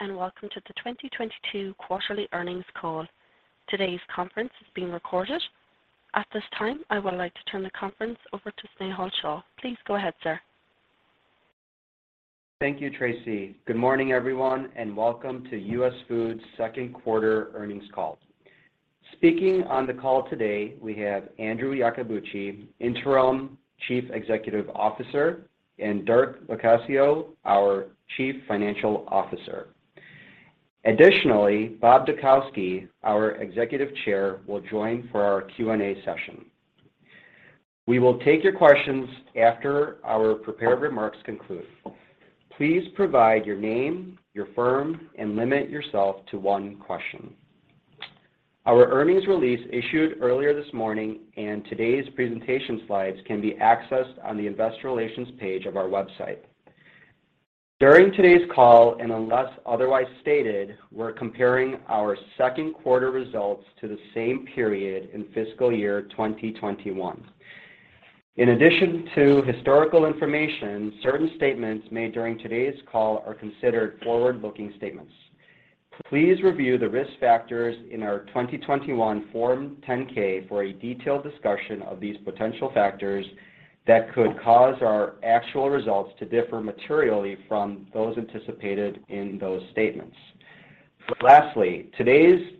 Welcome to the 2022 quarterly earnings call. Today's conference is being recorded. At this time, I would like to turn the conference over to Snehal Shah. Please go ahead, sir. Thank you, Tracy. Good morning, everyone, and welcome to US Foods second quarter earnings call. Speaking on the call today we have Andrew Iacobucci, Interim Chief Executive Officer, and Dirk Locascio, our Chief Financial Officer. Additionally, Robert Dutkowsky, our Executive Chair, will join for our Q&A session. We will take your questions after our prepared remarks conclude. Please provide your name, your firm, and limit yourself to one question. Our earnings release issued earlier this morning and today's presentation slides can be accessed on the investor relations page of our website. During today's call, and unless otherwise stated, we're comparing our second quarter results to the same period in fiscal year 2021. In addition to historical information, certain statements made during today's call are considered forward-looking statements. Please review the risk factors in our 2021 Form 10-K for a detailed discussion of these potential factors that could cause our actual results to differ materially from those anticipated in those statements. Lastly,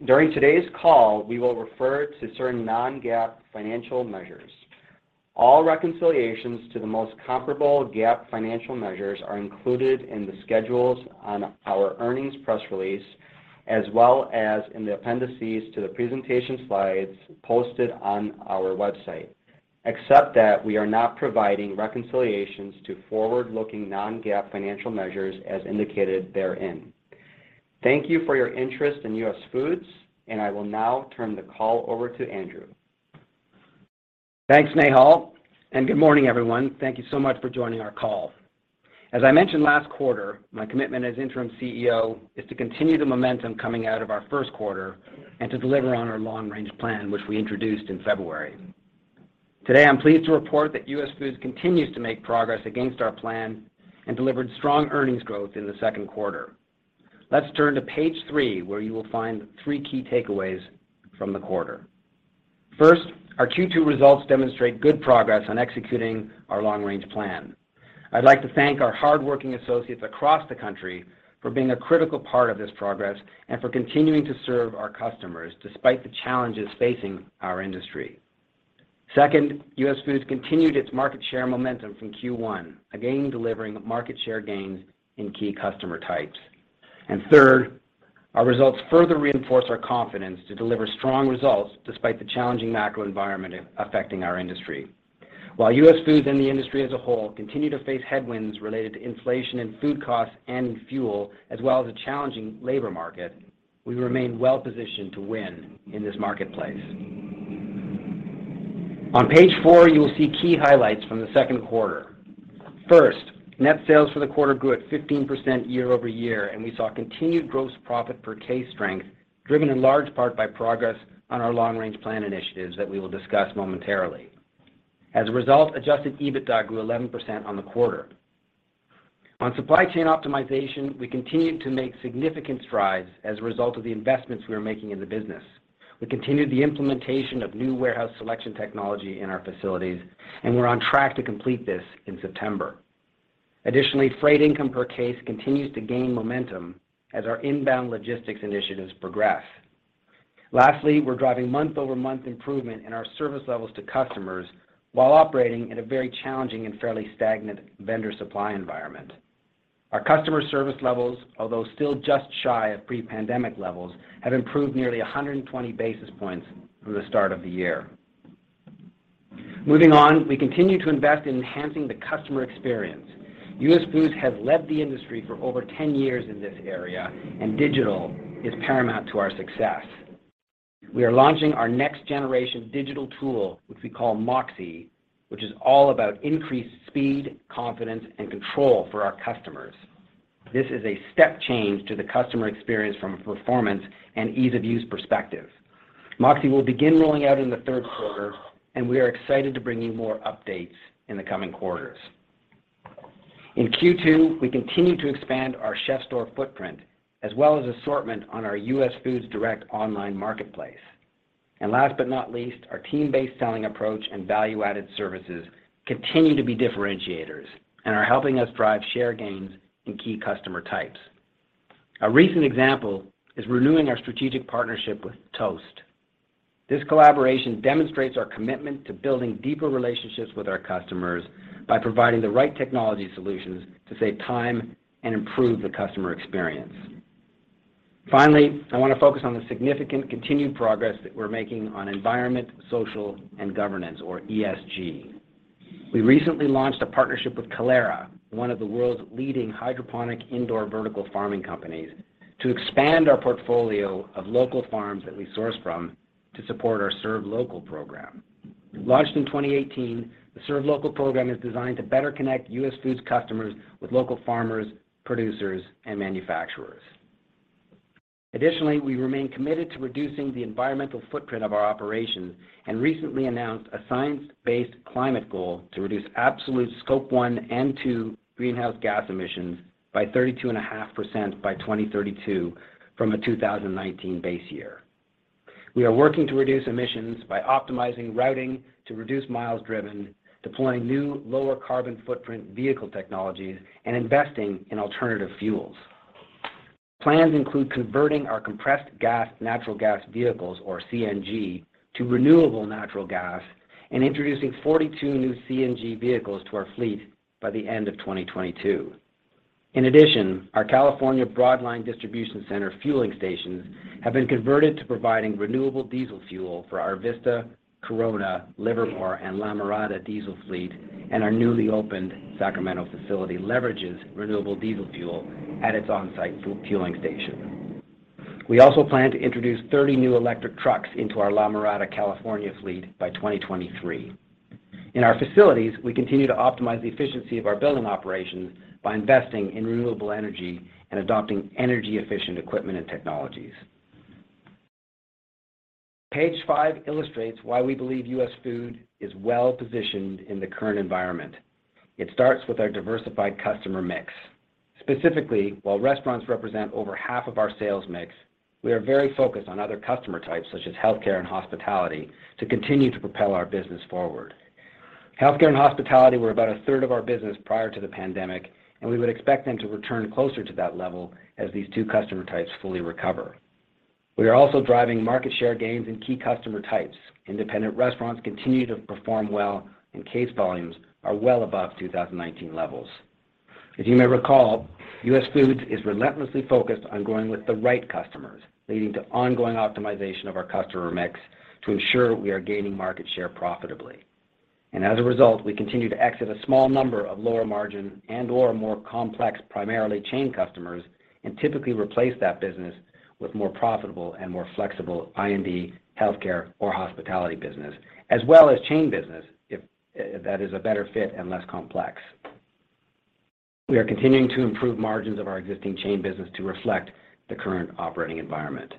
during today's call, we will refer to certain non-GAAP financial measures. All reconciliations to the most comparable GAAP financial measures are included in the schedules on our earnings press release, as well as in the appendices to the presentation slides posted on our website. Except that we are not providing reconciliations to forward-looking non-GAAP financial measures as indicated therein. Thank you for your interest in US Foods, and I will now turn the call over to Andrew. Thanks, Snehal, and good morning, everyone. Thank you so much for joining our call. As I mentioned last quarter, my commitment as Interim CEO is to continue the momentum coming out of our first quarter and to deliver on our long-range plan, which we introduced in February. Today, I'm pleased to report that US Foods continues to make progress against our plan and delivered strong earnings growth in the second quarter. Let's turn to page three, where you will find three key takeaways from the quarter. First, our Q2 results demonstrate good progress on executing our long-range plan. I'd like to thank our hardworking associates across the country for being a critical part of this progress and for continuing to serve our customers despite the challenges facing our industry. Second, US Foods continued its market share momentum from Q1, again, delivering market share gains in key customer types. Third, our results further reinforce our confidence to deliver strong results despite the challenging macro environment affecting our industry. While US Foods and the industry as a whole continue to face headwinds related to inflation in food costs and in fuel, as well as a challenging labor market, we remain well positioned to win in this marketplace. On page 4, you will see key highlights from the second quarter. First, net sales for the quarter grew at 15% year-over-year, and we saw continued gross profit per case strength, driven in large part by progress on our long-range plan initiatives that we will discuss momentarily. As a result, adjusted EBITDA grew 11% on the quarter. On supply chain optimization, we continued to make significant strides as a result of the investments we are making in the business. We continued the implementation of new warehouse selection technology in our facilities, and we're on track to complete this in September. Additionally, freight income per case continues to gain momentum as our inbound logistics initiatives progress. Lastly, we're driving month-over-month improvement in our service levels to customers while operating in a very challenging and fairly stagnant vendor supply environment. Our customer service levels, although still just shy of pre-pandemic levels, have improved nearly 120 basis points from the start of the year. Moving on, we continue to invest in enhancing the customer experience. US Foods has led the industry for over 10 years in this area, and digital is paramount to our success. We are launching our next generation digital tool, which we call MOXē, which is all about increased speed, confidence, and control for our customers. This is a step change to the customer experience from a performance and ease-of-use perspective. MOXē will begin rolling out in the third quarter, and we are excited to bring you more updates in the coming quarters. In Q2, we continued to expand our CHEF'STORE footprint, as well as assortment on our US Foods Direct online marketplace. Last but not least, our team-based selling approach and value-added services continue to be differentiators and are helping us drive share gains in key customer types. A recent example is renewing our strategic partnership with Toast. This collaboration demonstrates our commitment to building deeper relationships with our customers by providing the right technology solutions to save time and improve the customer experience. Finally, I wanna focus on the significant continued progress that we're making on environment, social, and governance, or ESG. We recently launched a partnership with Kalera, one of the world's leading hydroponic indoor vertical farming companies, to expand our portfolio of local farms that we source from to support our Serve Local program. Launched in 2018, the Serve Local program is designed to better connect US Foods customers with local farmers, producers, and manufacturers. Additionally, we remain committed to reducing the environmental footprint of our operations and recently announced a science-based climate goal to reduce absolute scope one and two greenhouse gas emissions by 32.5% by 2032 from a 2019 base year. We are working to reduce emissions by optimizing routing to reduce miles driven, deploying new lower carbon footprint vehicle technologies, and investing in alternative fuels. Plans include converting our compressed gas, natural gas vehicles, or CNG, to renewable natural gas and introducing 42 new CNG vehicles to our fleet by the end of 2022. In addition, our California broad line distribution center fueling stations have been converted to providing renewable diesel fuel for our Vista, Corona, Livermore, and La Mirada diesel fleet, and our newly opened Sacramento facility leverages renewable diesel fuel at its on-site fueling station. We also plan to introduce 30 new electric trucks into our La Mirada, California fleet by 2023. In our facilities, we continue to optimize the efficiency of our building operations by investing in renewable energy and adopting energy-efficient equipment and technologies. Page 5 illustrates why we believe US Foods is well-positioned in the current environment. It starts with our diversified customer mix. Specifically, while restaurants represent over half of our sales mix, we are very focused on other customer types, such as healthcare and hospitality, to continue to propel our business forward. Healthcare and hospitality were about a third of our business prior to the pandemic, and we would expect them to return closer to that level as these two customer types fully recover. We are also driving market share gains in key customer types. Independent restaurants continue to perform well, and case volumes are well above 2019 levels. As you may recall, US Foods is relentlessly focused on going with the right customers, leading to ongoing optimization of our customer mix to ensure we are gaining market share profitably. As a result, we continue to exit a small number of lower margin and/or more complex, primarily chain customers, and typically replace that business with more profitable and more flexible IND, healthcare or hospitality business, as well as chain business if that is a better fit and less complex. We are continuing to improve margins of our existing chain business to reflect the current operating environment.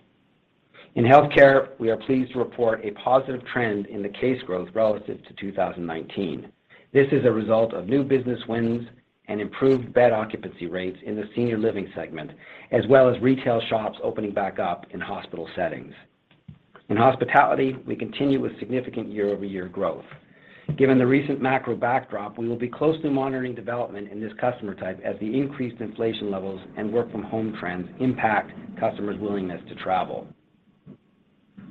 In healthcare, we are pleased to report a positive trend in the case growth relative to 2019. This is a result of new business wins and improved bed occupancy rates in the senior living segment, as well as retail shops opening back up in hospital settings. In hospitality, we continue with significant year-over-year growth. Given the recent macro backdrop, we will be closely monitoring development in this customer type as the increased inflation levels and work from home trends impact customers' willingness to travel.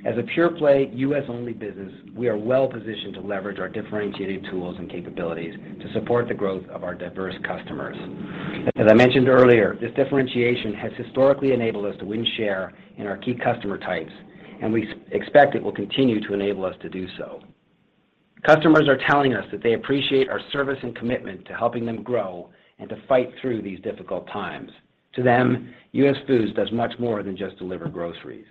As a pure play U.S.-only business, we are well positioned to leverage our differentiating tools and capabilities to support the growth of our diverse customers. As I mentioned earlier, this differentiation has historically enabled us to win share in our key customer types, and we expect it will continue to enable us to do so. Customers are telling us that they appreciate our service and commitment to helping them grow and to fight through these difficult times. To them, US Foods does much more than just deliver groceries.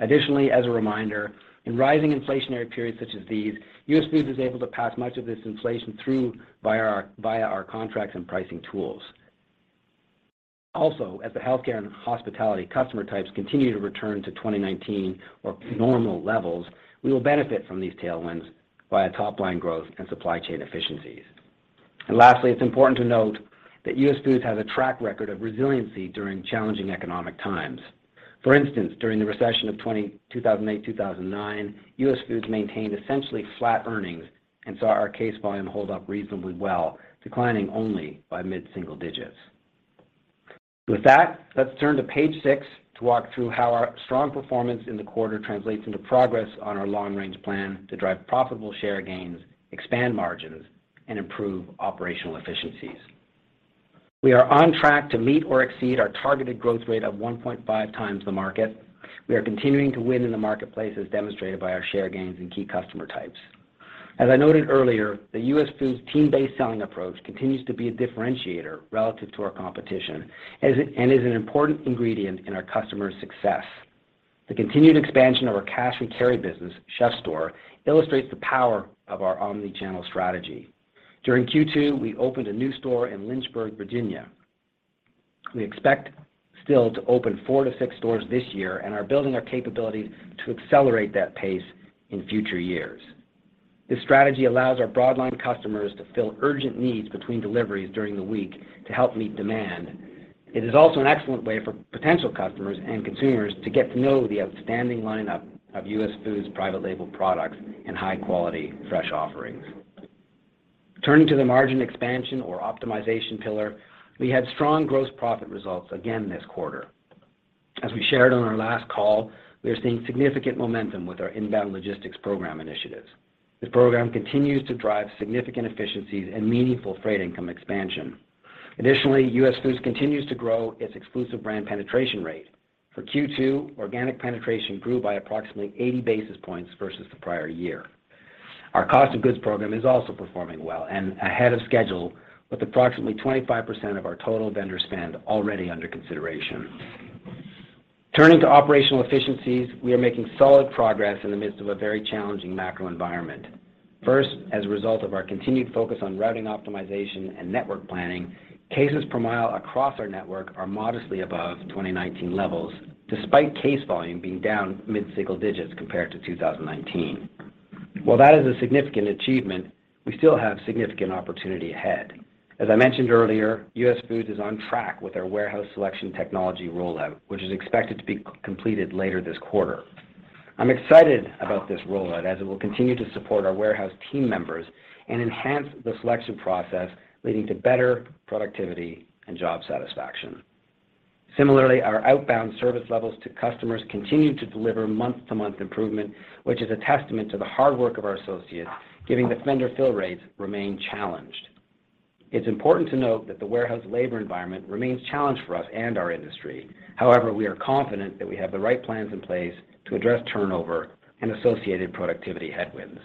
Additionally, as a reminder, in rising inflationary periods such as these, US Foods is able to pass much of this inflation through via our contracts and pricing tools. Also, as the healthcare and hospitality customer types continue to return to 2019 or normal levels, we will benefit from these tailwinds via top line growth and supply chain efficiencies. Lastly, it's important to note that US Foods has a track record of resiliency during challenging economic times. For instance, during the recession of 2008, 2009, US Foods maintained essentially flat earnings and saw our case volume hold up reasonably well, declining only by mid-single digits. With that, let's turn to page 6 to walk through how our strong performance in the quarter translates into progress on our long-range plan to drive profitable share gains, expand margins, and improve operational efficiencies. We are on track to meet or exceed our targeted growth rate of 1.5 times the market. We are continuing to win in the marketplace, as demonstrated by our share gains in key customer types. As I noted earlier, the US Foods team-based selling approach continues to be a differentiator relative to our competition and is an important ingredient in our customers' success. The continued expansion of our cash and carry business, CHEF'STORE, illustrates the power of our omni-channel strategy. During Q2, we opened a new store in Lynchburg, Virginia. We expect still to open 4-6 stores this year and are building our capabilities to accelerate that pace in future years. This strategy allows our broad line customers to fill urgent needs between deliveries during the week to help meet demand. It is also an excellent way for potential customers and consumers to get to know the outstanding lineup of US Foods private label products and high-quality fresh offerings. Turning to the margin expansion or optimization pillar, we had strong gross profit results again this quarter. As we shared on our last call, we are seeing significant momentum with our inbound logistics program initiatives. This program continues to drive significant efficiencies and meaningful freight income expansion. Additionally, US Foods continues to grow its exclusive brand penetration rate. For Q2, organic penetration grew by approximately 80 basis points versus the prior year. Our cost of goods program is also performing well and ahead of schedule with approximately 25% of our total vendor spend already under consideration. Turning to operational efficiencies, we are making solid progress in the midst of a very challenging macro environment. First, as a result of our continued focus on routing optimization and network planning, cases per mile across our network are modestly above 2019 levels, despite case volume being down mid-single digits compared to 2019. While that is a significant achievement, we still have significant opportunity ahead. As I mentioned earlier, US Foods is on track with our warehouse selection technology rollout, which is expected to be completed later this quarter. I'm excited about this rollout as it will continue to support our warehouse team members and enhance the selection process, leading to better productivity and job satisfaction. Similarly, our outbound service levels to customers continue to deliver month-to-month improvement, which is a testament to the hard work of our associates, given the vendor fill rates remain challenged. It's important to note that the warehouse labor environment remains challenged for us and our industry. However, we are confident that we have the right plans in place to address turnover and associated productivity headwinds.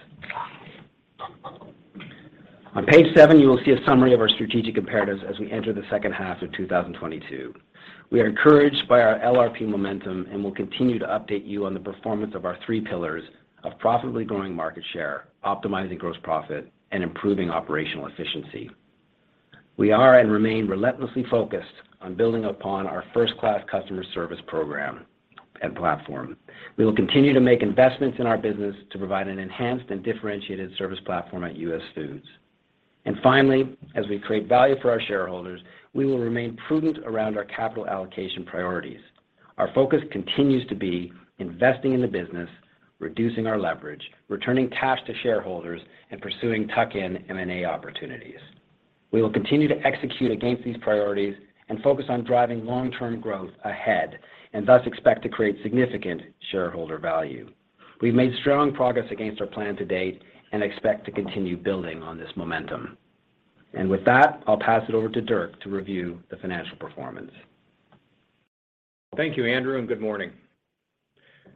On page 7, you will see a summary of our strategic imperatives as we enter the second half of 2022. We are encouraged by our LRP momentum, and we'll continue to update you on the performance of our three pillars of profitably growing market share, optimizing gross profit, and improving operational efficiency. We are and remain relentlessly focused on building upon our first-class customer service program and platform. We will continue to make investments in our business to provide an enhanced and differentiated service platform at US Foods. Finally, as we create value for our shareholders, we will remain prudent around our capital allocation priorities. Our focus continues to be investing in the business, reducing our leverage, returning cash to shareholders, and pursuing tuck-in M&A opportunities. We will continue to execute against these priorities and focus on driving long-term growth ahead and thus expect to create significant shareholder value. We've made strong progress against our plan to date and expect to continue building on this momentum. With that, I'll pass it over to Dirk to review the financial performance. Thank you, Andrew, and good morning.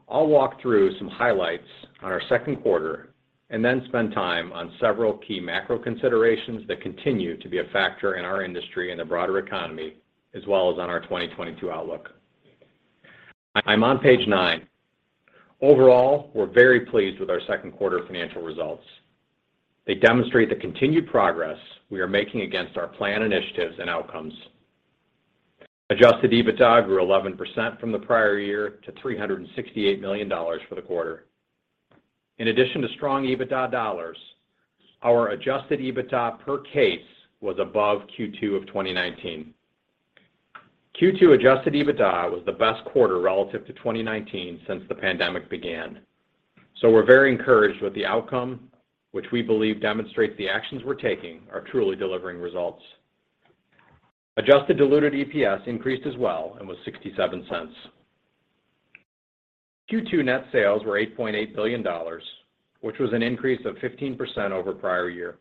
I'll walk through some highlights on our second quarter and then spend time on several key macro considerations that continue to be a factor in our industry and the broader economy, as well as on our 2022 outlook. I'm on page 9. Overall, we're very pleased with our second quarter financial results. They demonstrate the continued progress we are making against our plan initiatives and outcomes. Adjusted EBITDA grew 11% from the prior year to $368 million for the quarter. In addition to strong EBITDA dollars, our Adjusted EBITDA per case was above Q2 of 2019. Q2 Adjusted EBITDA was the best quarter relative to 2019 since the pandemic began. We're very encouraged with the outcome, which we believe demonstrates the actions we're taking are truly delivering results. Adjusted diluted EPS increased as well and was $0.67. Q2 net sales were $8.8 billion, which was an increase of 15% over prior year.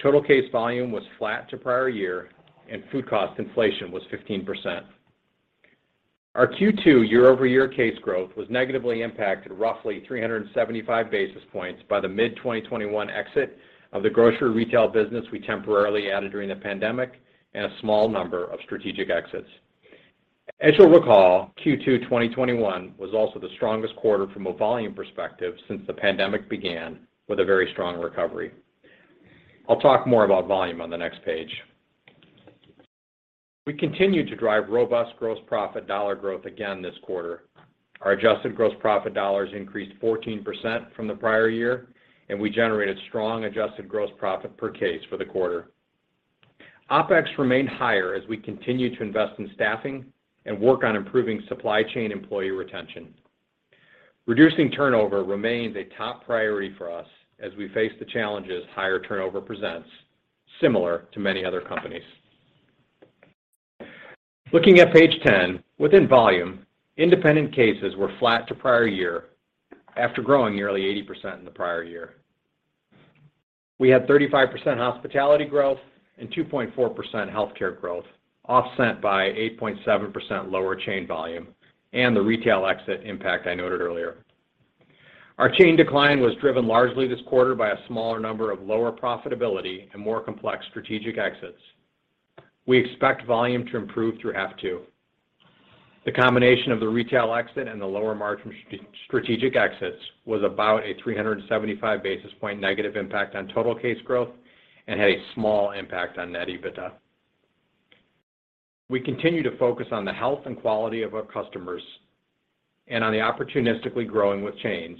Total case volume was flat to prior year, and food cost inflation was 15%. Our Q2 year-over-year case growth was negatively impacted roughly 375 basis points by the mid-2021 exit of the grocery retail business we temporarily added during the pandemic and a small number of strategic exits. As you'll recall, Q2 2021 was also the strongest quarter from a volume perspective since the pandemic began with a very strong recovery. I'll talk more about volume on the next page. We continued to drive robust gross profit dollar growth again this quarter. Our adjusted gross profit dollars increased 14% from the prior year, and we generated strong adjusted gross profit per case for the quarter. OpEx remained higher as we continued to invest in staffing and work on improving supply chain employee retention. Reducing turnover remains a top priority for us as we face the challenges higher turnover presents, similar to many other companies. Looking at page 10, within volume, independent cases were flat to prior year after growing nearly 80% in the prior year. We had 35% hospitality growth and 2.4% healthcare growth, offset by 8.7% lower chain volume and the retail exit impact I noted earlier. Our chain decline was driven largely this quarter by a smaller number of lower profitability and more complex strategic exits. We expect volume to improve through H2. The combination of the retail exit and the lower margin strategic exits was about a 375 basis point negative impact on total case growth and had a small impact on net EBITDA. We continue to focus on the health and quality of our customers and on the opportunistically growing with chains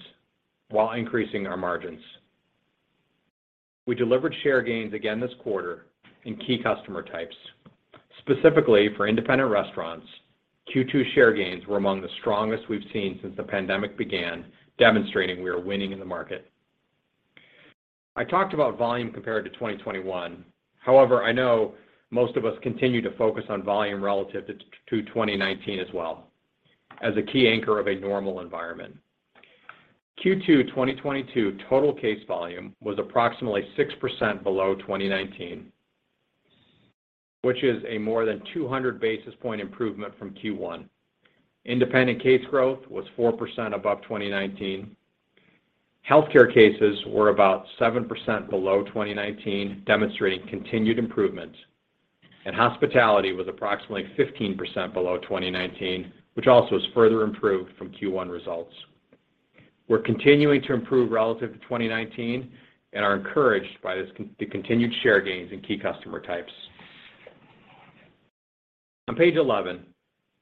while increasing our margins. We delivered share gains again this quarter in key customer types. Specifically for independent restaurants, Q2 share gains were among the strongest we've seen since the pandemic began, demonstrating we are winning in the market. I talked about volume compared to 2021. However, I know most of us continue to focus on volume relative to 2019 as well as a key anchor of a normal environment. Q2 2022 total case volume was approximately 6% below 2019, which is a more than 200 basis point improvement from Q1. Independent case growth was 4% above 2019. Healthcare cases were about 7% below 2019, demonstrating continued improvement. Hospitality was approximately 15% below 2019, which also is further improved from Q1 results. We're continuing to improve relative to 2019 and are encouraged by the continued share gains in key customer types. On page 11,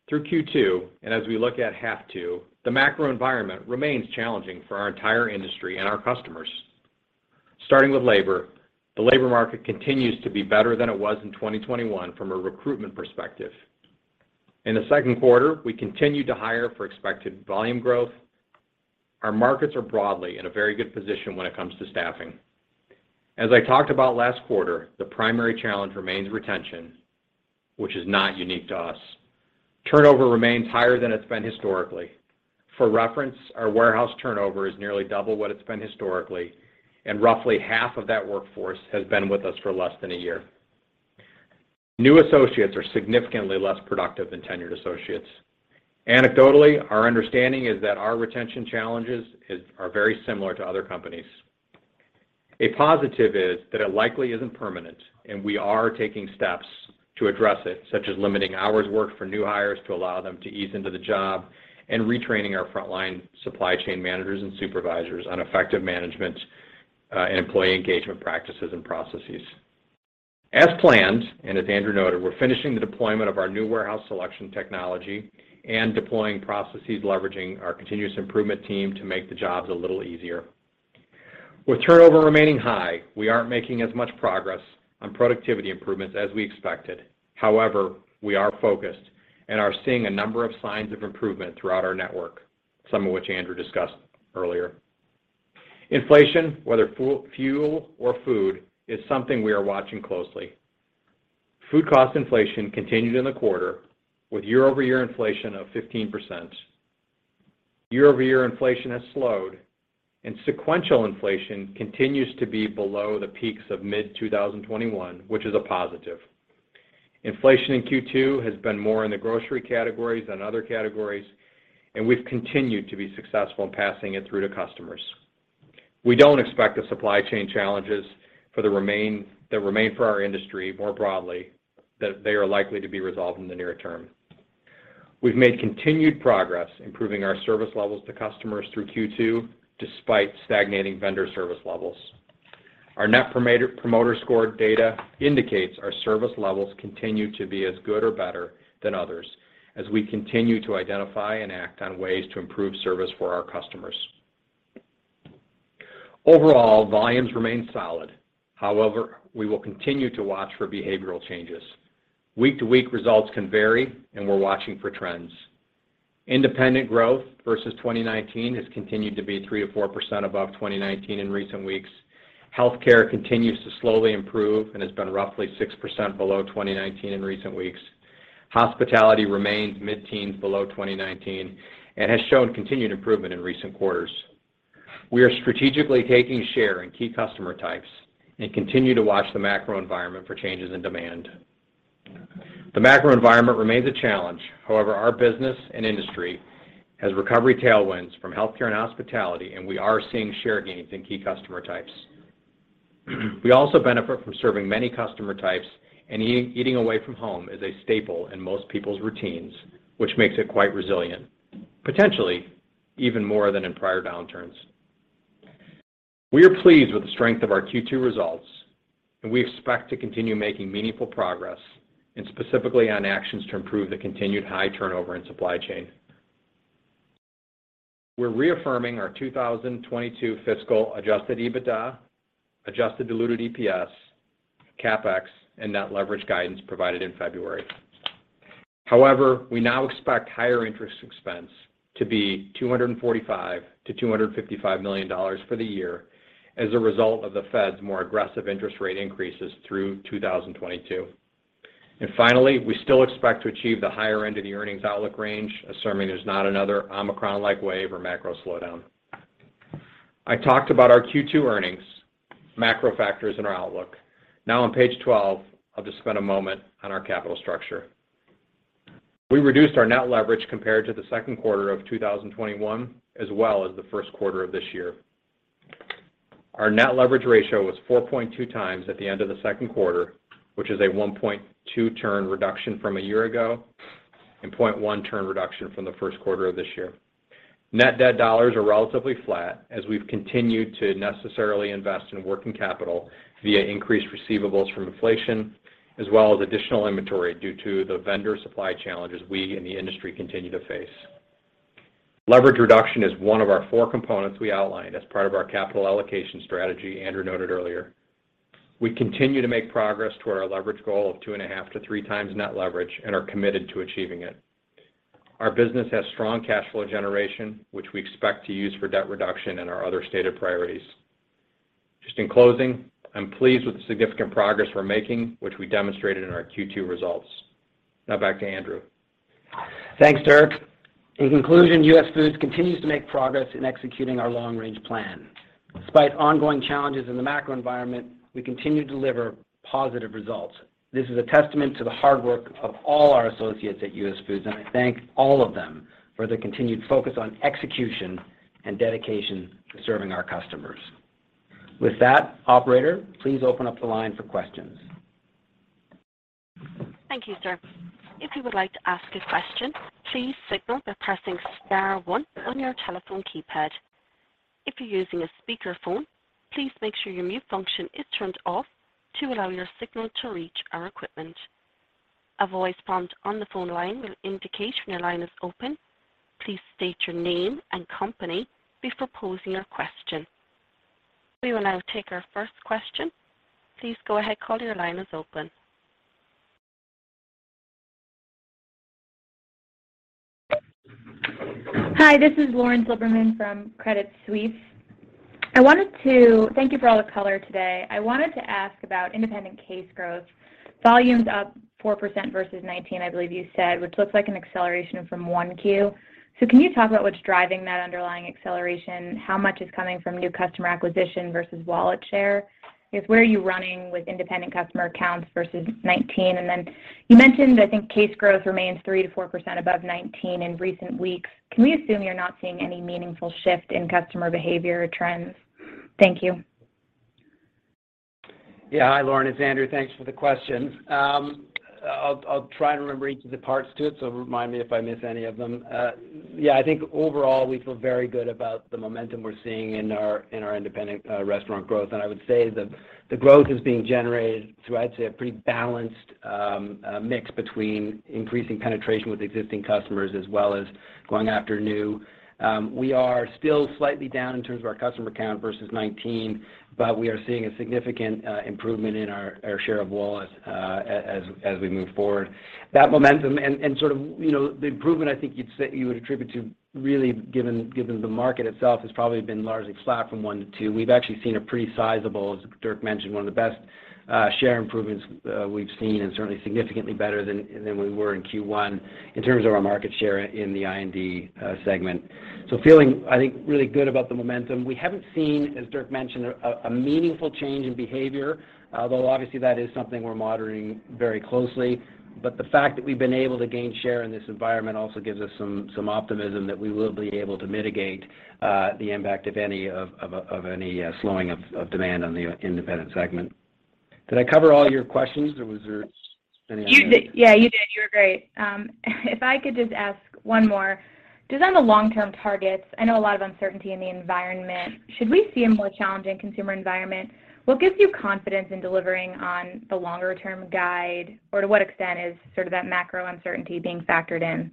through Q2 and as we look at H2, the macro environment remains challenging for our entire industry and our customers. Starting with labor, the labor market continues to be better than it was in 2021 from a recruitment perspective. In the second quarter, we continued to hire for expected volume growth. Our markets are broadly in a very good position when it comes to staffing. As I talked about last quarter, the primary challenge remains retention, which is not unique to us. Turnover remains higher than it's been historically. For reference, our warehouse turnover is nearly double what it's been historically, and roughly half of that workforce has been with us for less than a year. New associates are significantly less productive than tenured associates. Anecdotally, our understanding is that our retention challenges are very similar to other companies. A positive is that it likely isn't permanent, and we are taking steps to address it, such as limiting hours worked for new hires to allow them to ease into the job, and retraining our frontline supply chain managers and supervisors on effective management, employee engagement practices and processes. As planned, as Andrew noted, we're finishing the deployment of our new warehouse selection technology and deploying processes leveraging our continuous improvement team to make the jobs a little easier. With turnover remaining high, we aren't making as much progress on productivity improvements as we expected. However, we are focused and are seeing a number of signs of improvement throughout our network, some of which Andrew discussed earlier. Inflation, whether fuel or food, is something we are watching closely. Food cost inflation continued in the quarter with year-over-year inflation of 15%. Year-over-year inflation has slowed, and sequential inflation continues to be below the peaks of mid-2021, which is a positive. Inflation in Q2 has been more in the grocery categories than other categories, and we've continued to be successful in passing it through to customers. We don't expect the supply chain challenges that remain for our industry more broadly to be resolved in the near term. We've made continued progress improving our service levels to customers through Q2 despite stagnating vendor service levels. Our Net Promoter Score data indicates our service levels continue to be as good or better than others as we continue to identify and act on ways to improve service for our customers. Overall, volumes remain solid. However, we will continue to watch for behavioral changes. Week-to-week results can vary, and we're watching for trends. Independent growth versus 2019 has continued to be 3%-4% above 2019 in recent weeks. Healthcare continues to slowly improve and has been roughly 6% below 2019 in recent weeks. Hospitality remains mid-teens below 2019 and has shown continued improvement in recent quarters. We are strategically taking share in key customer types and continue to watch the macro environment for changes in demand. The macro environment remains a challenge. However, our business and industry has recovery tailwinds from healthcare and hospitality, and we are seeing share gains in key customer types. We also benefit from serving many customer types, and eating away from home is a staple in most people's routines, which makes it quite resilient, potentially even more than in prior downturns. We are pleased with the strength of our Q2 results, and we expect to continue making meaningful progress, and specifically on actions to improve the continued high turnover in supply chain. We're reaffirming our 2022 fiscal Adjusted EBITDA, Adjusted diluted EPS, CapEx and net leverage guidance provided in February. However, we now expect higher interest expense to be $245 million-$255 million for the year as a result of the Fed's more aggressive interest rate increases through 2022. Finally, we still expect to achieve the higher end of the earnings outlook range, assuming there's not another Omicron-like wave or macro slowdown. I talked about our Q2 earnings, macro factors and our outlook. Now on page 12, I'll just spend a moment on our capital structure. We reduced our net leverage compared to the second quarter of 2021, as well as the first quarter of this year. Our net leverage ratio was 4.2 times at the end of the second quarter, which is a 1.2 turn reduction from a year ago and 0.1 turn reduction from the first quarter of this year. Net debt dollars are relatively flat as we've continued to necessarily invest in working capital via increased receivables from inflation as well as additional inventory due to the vendor supply challenges we and the industry continue to face. Leverage reduction is one of our four components we outlined as part of our capital allocation strategy Andrew noted earlier. We continue to make progress toward our leverage goal of 2.5-3 times net leverage and are committed to achieving it. Our business has strong cash flow generation, which we expect to use for debt reduction and our other stated priorities. Just in closing, I'm pleased with the significant progress we're making, which we demonstrated in our Q2 results. Now back to Andrew. Thanks, Dirk. In conclusion, US Foods continues to make progress in executing our long-range plan. Despite ongoing challenges in the macro environment, we continue to deliver positive results. This is a testament to the hard work of all our associates at US Foods, and I thank all of them for their continued focus on execution and dedication to serving our customers. With that, operator, please open up the line for questions. Thank you, sir. If you would like to ask a question, please signal by pressing star one on your telephone keypad. If you're using a speakerphone, please make sure your mute function is turned off to allow your signal to reach our equipment. A voice prompt on the phone line will indicate when your line is open. Please state your name and company before posing your question. We will now take our first question. Please go ahead. Caller, your line is open. Hi, this is Lauren Silberman from Credit Suisse. I wanted to thank you for all the color today. I wanted to ask about independent case growth. Volume's up 4% versus 2019, I believe you said, which looks like an acceleration from 1Q. Can you talk about what's driving that underlying acceleration? How much is coming from new customer acquisition versus wallet share? How are you running with independent customer accounts versus 2019? Then you mentioned, I think, case growth remains 3%-4% above 2019 in recent weeks. Can we assume you're not seeing any meaningful shift in customer behavior or trends? Thank you. Yeah. Hi, Lauren, it's Andrew. Thanks for the question. I'll try and remember each of the parts to it, so remind me if I miss any of them. Yeah, I think overall, we feel very good about the momentum we're seeing in our independent restaurant growth. I would say the growth is being generated through, I'd say, a pretty balanced mix between increasing penetration with existing customers as well as going after new. We are still slightly down in terms of our customer count versus 2019, but we are seeing a significant improvement in our share of wallet as we move forward. That momentum and sort of, you know, the improvement, I think you'd say you would attribute to really given the market itself has probably been largely flat from 1%-2%. We've actually seen a pretty sizable, as Dirk mentioned, one of the best share improvements we've seen and certainly significantly better than we were in Q1 in terms of our market share in the IND segment. Feeling, I think, really good about the momentum. We haven't seen, as Dirk mentioned, a meaningful change in behavior, though obviously that is something we're monitoring very closely. The fact that we've been able to gain share in this environment also gives us some optimism that we will be able to mitigate the impact, if any, of any slowing of demand on the independent segment. Did I cover all your questions, or was there any other- You did. Yeah, you did. You were great. If I could just ask one more. Just on the long-term targets, I know a lot of uncertainty in the environment. Should we see a more challenging consumer environment, what gives you confidence in delivering on the longer-term guide? Or to what extent is sort of that macro uncertainty being factored in?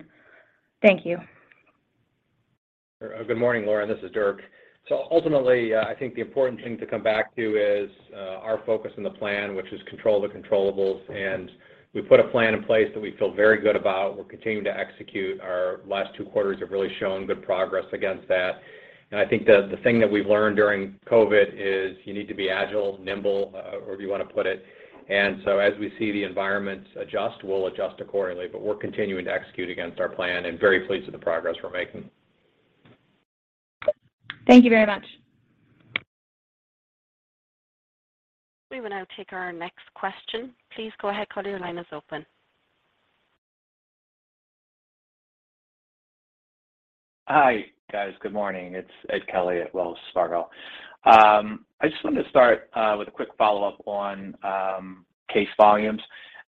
Thank you. Good morning, Lauren. This is Dirk. Ultimately, I think the important thing to come back to is our focus and the plan, which is control the controllables. We put a plan in place that we feel very good about. We're continuing to execute. Our last two quarters have really shown good progress against that. I think the thing that we've learned during COVID is you need to be agile, nimble, however you wanna put it. As we see the environment adjust, we'll adjust accordingly. We're continuing to execute against our plan and very pleased with the progress we're making. Thank you very much. We will now take our next question. Please go ahead. Caller, your line is open. Hi, guys. Good morning. It's Edward Kelly at Wells Fargo. I just wanted to start with a quick follow-up on case volumes.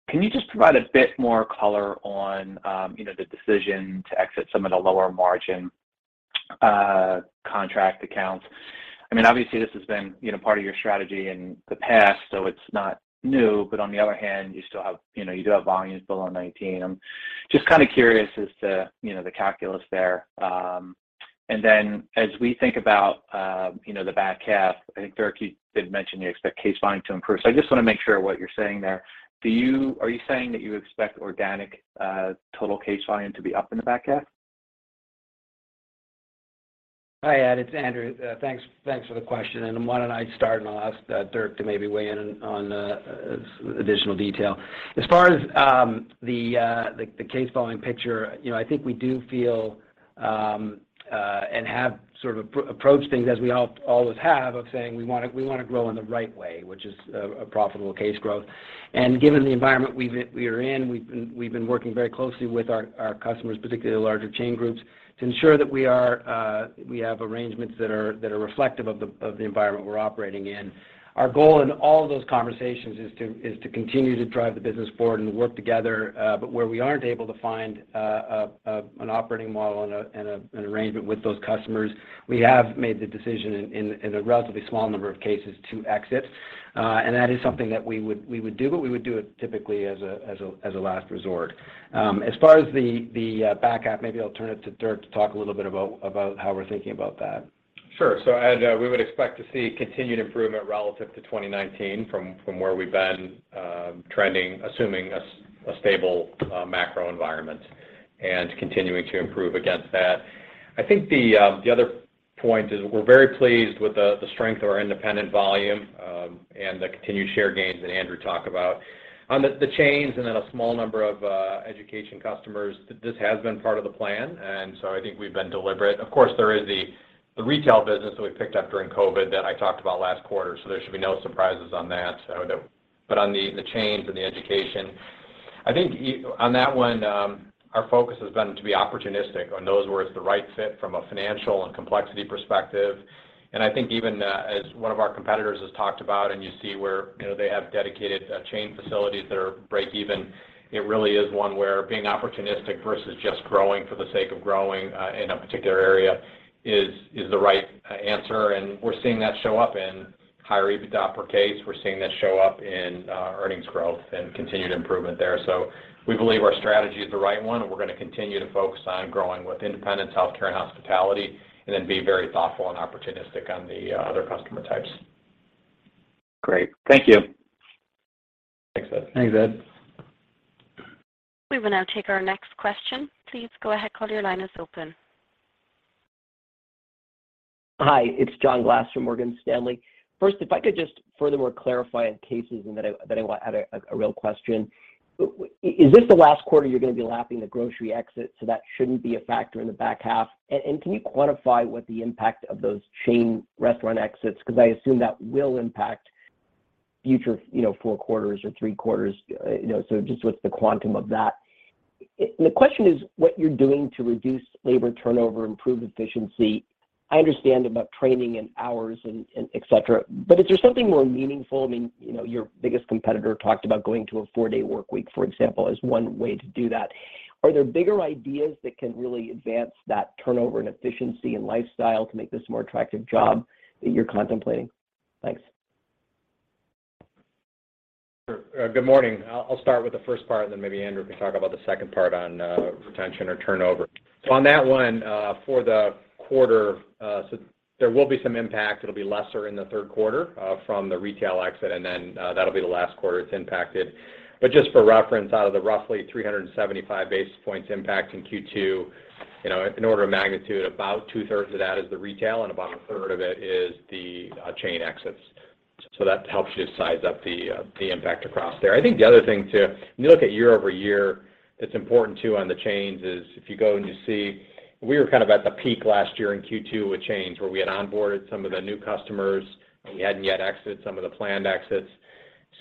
Can you just provide a bit more color on you know, the decision to exit some of the lower margin contract accounts? I mean, obviously, this has been you know, part of your strategy in the past, so it's not new. But on the other hand, you still have. You know, you do have volumes below 19. I'm just kinda curious as to you know, the calculus there. And then as we think about you know, the back half, I think, Dirk, you did mention you expect case volume to improve. So I just wanna make sure what you're saying there. Are you saying that you expect organic total case volume to be up in the back half? Hi, Ed. It's Andrew. Thanks for the question. Why don't I start, and I'll ask Dirk to maybe weigh in on some additional detail. As far as the case volume picture, you know, I think we do feel and have sort of approached things as we always have of saying we wanna grow in the right way, which is a profitable case growth. Given the environment we are in, we've been working very closely with our customers, particularly the larger chain groups, to ensure that we have arrangements that are reflective of the environment we're operating in. Our goal in all of those conversations is to continue to drive the business forward and work together. Where we aren't able to find an operating model and an arrangement with those customers, we have made the decision in a relatively small number of cases to exit. That is something that we would do, but we would do it typically as a last resort. As far as the back half, maybe I'll turn it to Dirk to talk a little bit about how we're thinking about that. Sure. Ed, we would expect to see continued improvement relative to 2019 from where we've been trending, assuming a stable macro environment and continuing to improve against that. I think the other point is we're very pleased with the strength of our independent volume and the continued share gains that Andrew talked about. On the chains and then a small number of education customers, this has been part of the plan, and so I think we've been deliberate. Of course, there is the retail business that we picked up during COVID that I talked about last quarter, so there should be no surprises on that. On the chains and the independents, I think on that one, our focus has been to be opportunistic on those where it's the right fit from a financial and complexity perspective. I think even as one of our competitors has talked about, and you see where, you know, they have dedicated chain facilities that are breakeven, it really is one where being opportunistic versus just growing for the sake of growing in a particular area is the right answer. We're seeing that show up in higher EBITDA per case. We're seeing that show up in earnings growth and continued improvement there. We believe our strategy is the right one, and we're gonna continue to focus on growing with independent healthcare and hospitality and then be very thoughtful and opportunistic on the other customer types. Great. Thank you. Thanks, Ed. Thanks, Ed. We will now take our next question. Please go ahead. Caller, your line is open. Hi, it's John Glass from Morgan Stanley. First, if I could just furthermore clarify on cases and then I had a real question. Is this the last quarter you're gonna be lapping the grocery exit, so that shouldn't be a factor in the back half? Can you quantify what the impact of those chain restaurant exits? Because I assume that will impact future, you know, four quarters or three quarters. You know, so just what's the quantum of that? The question is what you're doing to reduce labor turnover, improve efficiency. I understand about training and hours and et cetera, but is there something more meaningful? I mean, you know, your biggest competitor talked about going to a four-day workweek, for example, as one way to do that. Are there bigger ideas that can really advance that turnover and efficiency and lifestyle to make this a more attractive job that you're contemplating? Thanks. Sure. Good morning. I'll start with the first part, and then maybe Andrew can talk about the second part on retention or turnover. On that one, for the quarter, there will be some impact. It'll be lesser in the third quarter from the retail exit, and then that'll be the last quarter it's impacted. Just for reference, out of the roughly 375 basis points impact in Q2, you know, in order of magnitude, about two-thirds of that is the retail and about a third of it is the chain exits. That helps you size up the impact across there. I think the other thing too, when you look at year-over-year, it's important too on the chains is if you go and you see we were kind of at the peak last year in Q2 with chains where we had onboarded some of the new customers, and we hadn't yet exited some of the planned exits.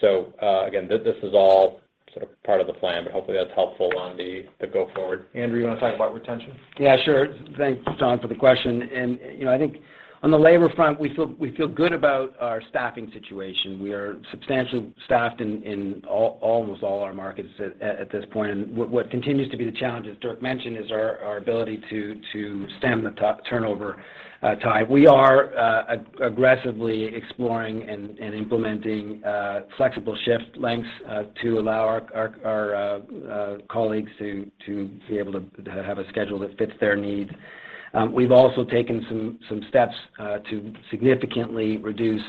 Again, this is all sort of part of the plan, but hopefully that's helpful on the go forward. Andrew, you wanna talk about retention? Yeah, sure. Thanks, John, for the question. You know, I think on the labor front, we feel good about our staffing situation. We are substantially staffed in almost all our markets at this point. What continues to be the challenge, as Dirk mentioned, is our ability to stem the turnover tide. We are aggressively exploring and implementing flexible shift lengths to allow our colleagues to be able to have a schedule that fits their need. We've also taken some steps to significantly reduce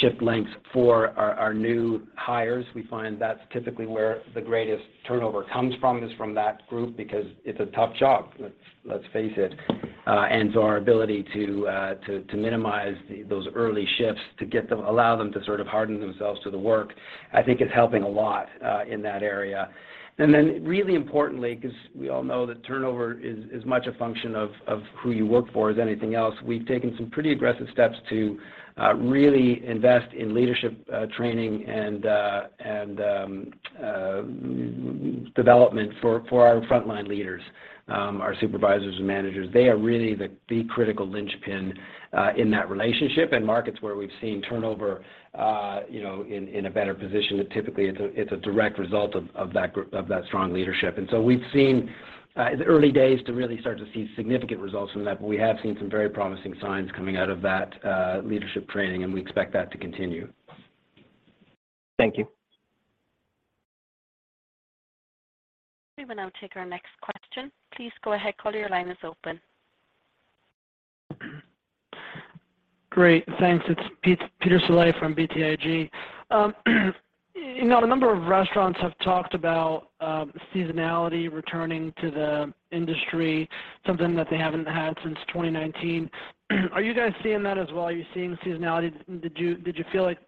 shift lengths for our new hires. We find that's typically where the greatest turnover comes from, is from that group because it's a tough job, let's face it. Our ability to minimize those early shifts to allow them to sort of harden themselves to the work, I think is helping a lot in that area. Really importantly, because we all know that turnover is much a function of who you work for as anything else, we've taken some pretty aggressive steps to really invest in leadership training and development for our frontline leaders, our supervisors and managers. They are really the critical linchpin in that relationship. Markets where we've seen turnover in a better position, typically it's a direct result of that group, of that strong leadership. We've seen it's early days to really start to see significant results from that leadership training, and we expect that to continue. Thank you. We will now take our next question. Please go ahead. Caller, your line is open. Great. Thanks. It's Peter Saleh from BTIG. You know, a number of restaurants have talked about seasonality returning to the industry, something that they haven't had since 2019. Are you guys seeing that as well? Are you seeing seasonality? Did you feel like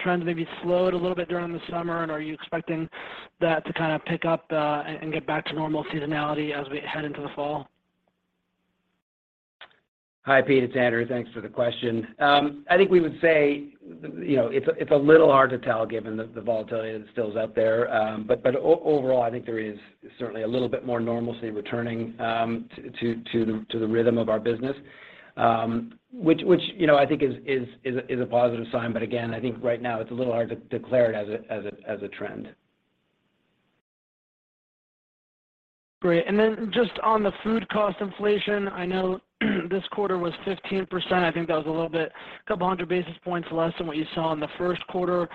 trends maybe slowed a little bit during the summer, and are you expecting that to kind of pick up and get back to normal seasonality as we head into the fall? Hi, Peter. It's Andrew. Thanks for the question. I think we would say, you know, it's a little hard to tell given the volatility that still is out there. Overall, I think there is certainly a little bit more normalcy returning to the rhythm of our business, which, you know, I think is a positive sign. Again, I think right now it's a little hard to declare it as a trend. Great. Then just on the food cost inflation, I know this quarter was 15%. I think that was a little bit, couple hundred basis points less than what you saw in the first quarter.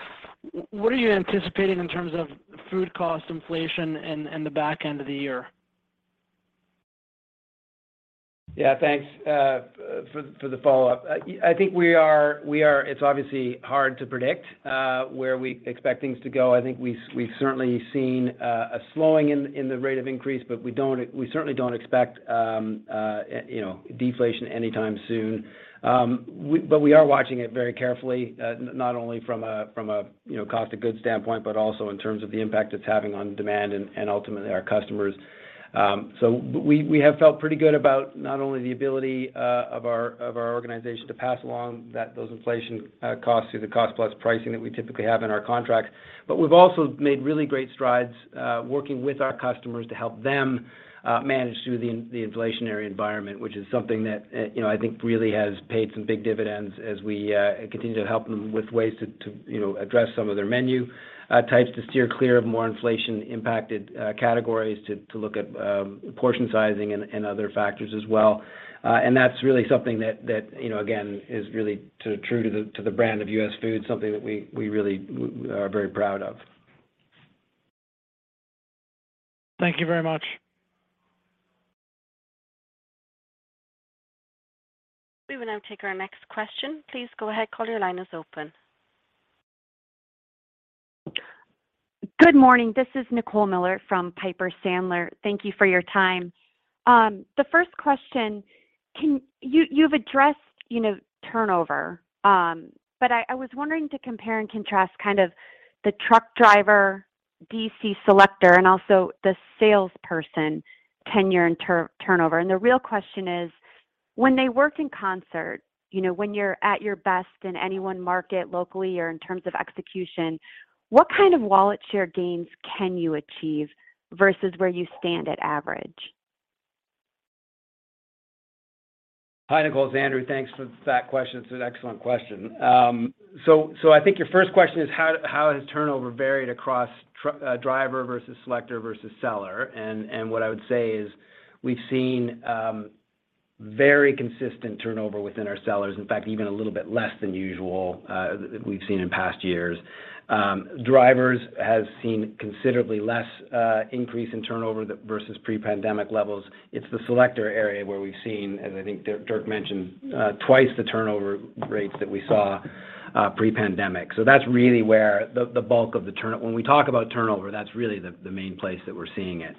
What are you anticipating in terms of food cost inflation in the back end of the year? Yeah, thanks for the follow-up. I think we are. It's obviously hard to predict where we expect things to go. I think we've certainly seen a slowing in the rate of increase, but we certainly don't expect, you know, deflation anytime soon. We are watching it very carefully, not only from a you know, cost of goods standpoint, but also in terms of the impact it's having on demand and ultimately our customers. We have felt pretty good about not only the ability of our organization to pass along those inflation costs through the cost-plus pricing that we typically have in our contracts, but we've also made really great strides working with our customers to help them manage through the inflationary environment, which is something that you know, I think really has paid some big dividends as we continue to help them with ways to you know, address some of their menu types to steer clear of more inflation-impacted categories to look at portion sizing and other factors as well. That's really something that, you know, again, is really true to the brand of US Foods, something that we really are very proud of. Thank you very much. We will now take our next question. Please go ahead. Your line is open. Good morning. This is Nicole Miller from Piper Sandler. Thank you for your time. The first question, you've addressed, you know, turnover, but I was wondering to compare and contrast kind of the truck driver DC selector and also the salesperson tenure and turnover. The real question is, when they work in concert, you know, when you're at your best in any one market locally or in terms of execution, what kind of wallet share gains can you achieve versus where you stand at average? Hi, Nicole. It's Andrew. Thanks for that question. It's an excellent question. I think your first question is how has turnover varied across driver versus selector versus seller? What I would say is we've seen very consistent turnover within our sellers. In fact, even a little bit less than usual than we've seen in past years. Drivers have seen considerably less increase in turnover versus pre-pandemic levels. It's the selector area where we've seen, as I think Dirk mentioned, twice the turnover rates that we saw pre-pandemic. That's really where the bulk of the turnover. When we talk about turnover, that's really the main place that we're seeing it.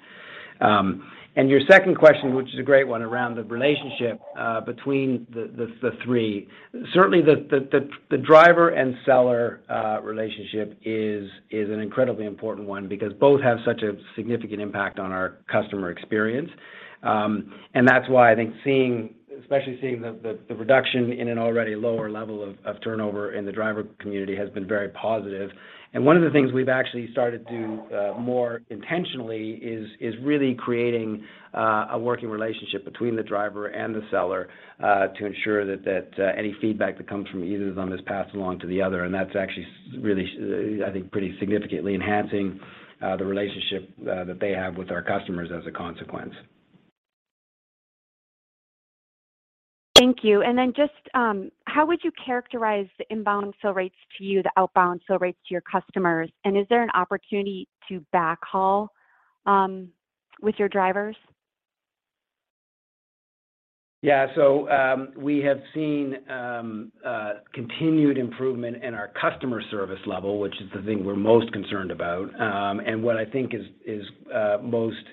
Your second question, which is a great one around the relationship between the three. Certainly, the driver and seller relationship is an incredibly important one because both have such a significant impact on our customer experience. That's why I think especially seeing the reduction in an already lower level of turnover in the driver community has been very positive. One of the things we've actually started to more intentionally is really creating a working relationship between the driver and the seller to ensure that any feedback that comes from either of them is passed along to the other, and that's actually, I think, pretty significantly enhancing the relationship that they have with our customers as a consequence. Thank you. Just how would you characterize the inbound fill rates to you, the outbound fill rates to your customers, and is there an opportunity to backhaul with your drivers? Yeah. We have seen continued improvement in our customer service level, which is the thing we're most concerned about. What I think is most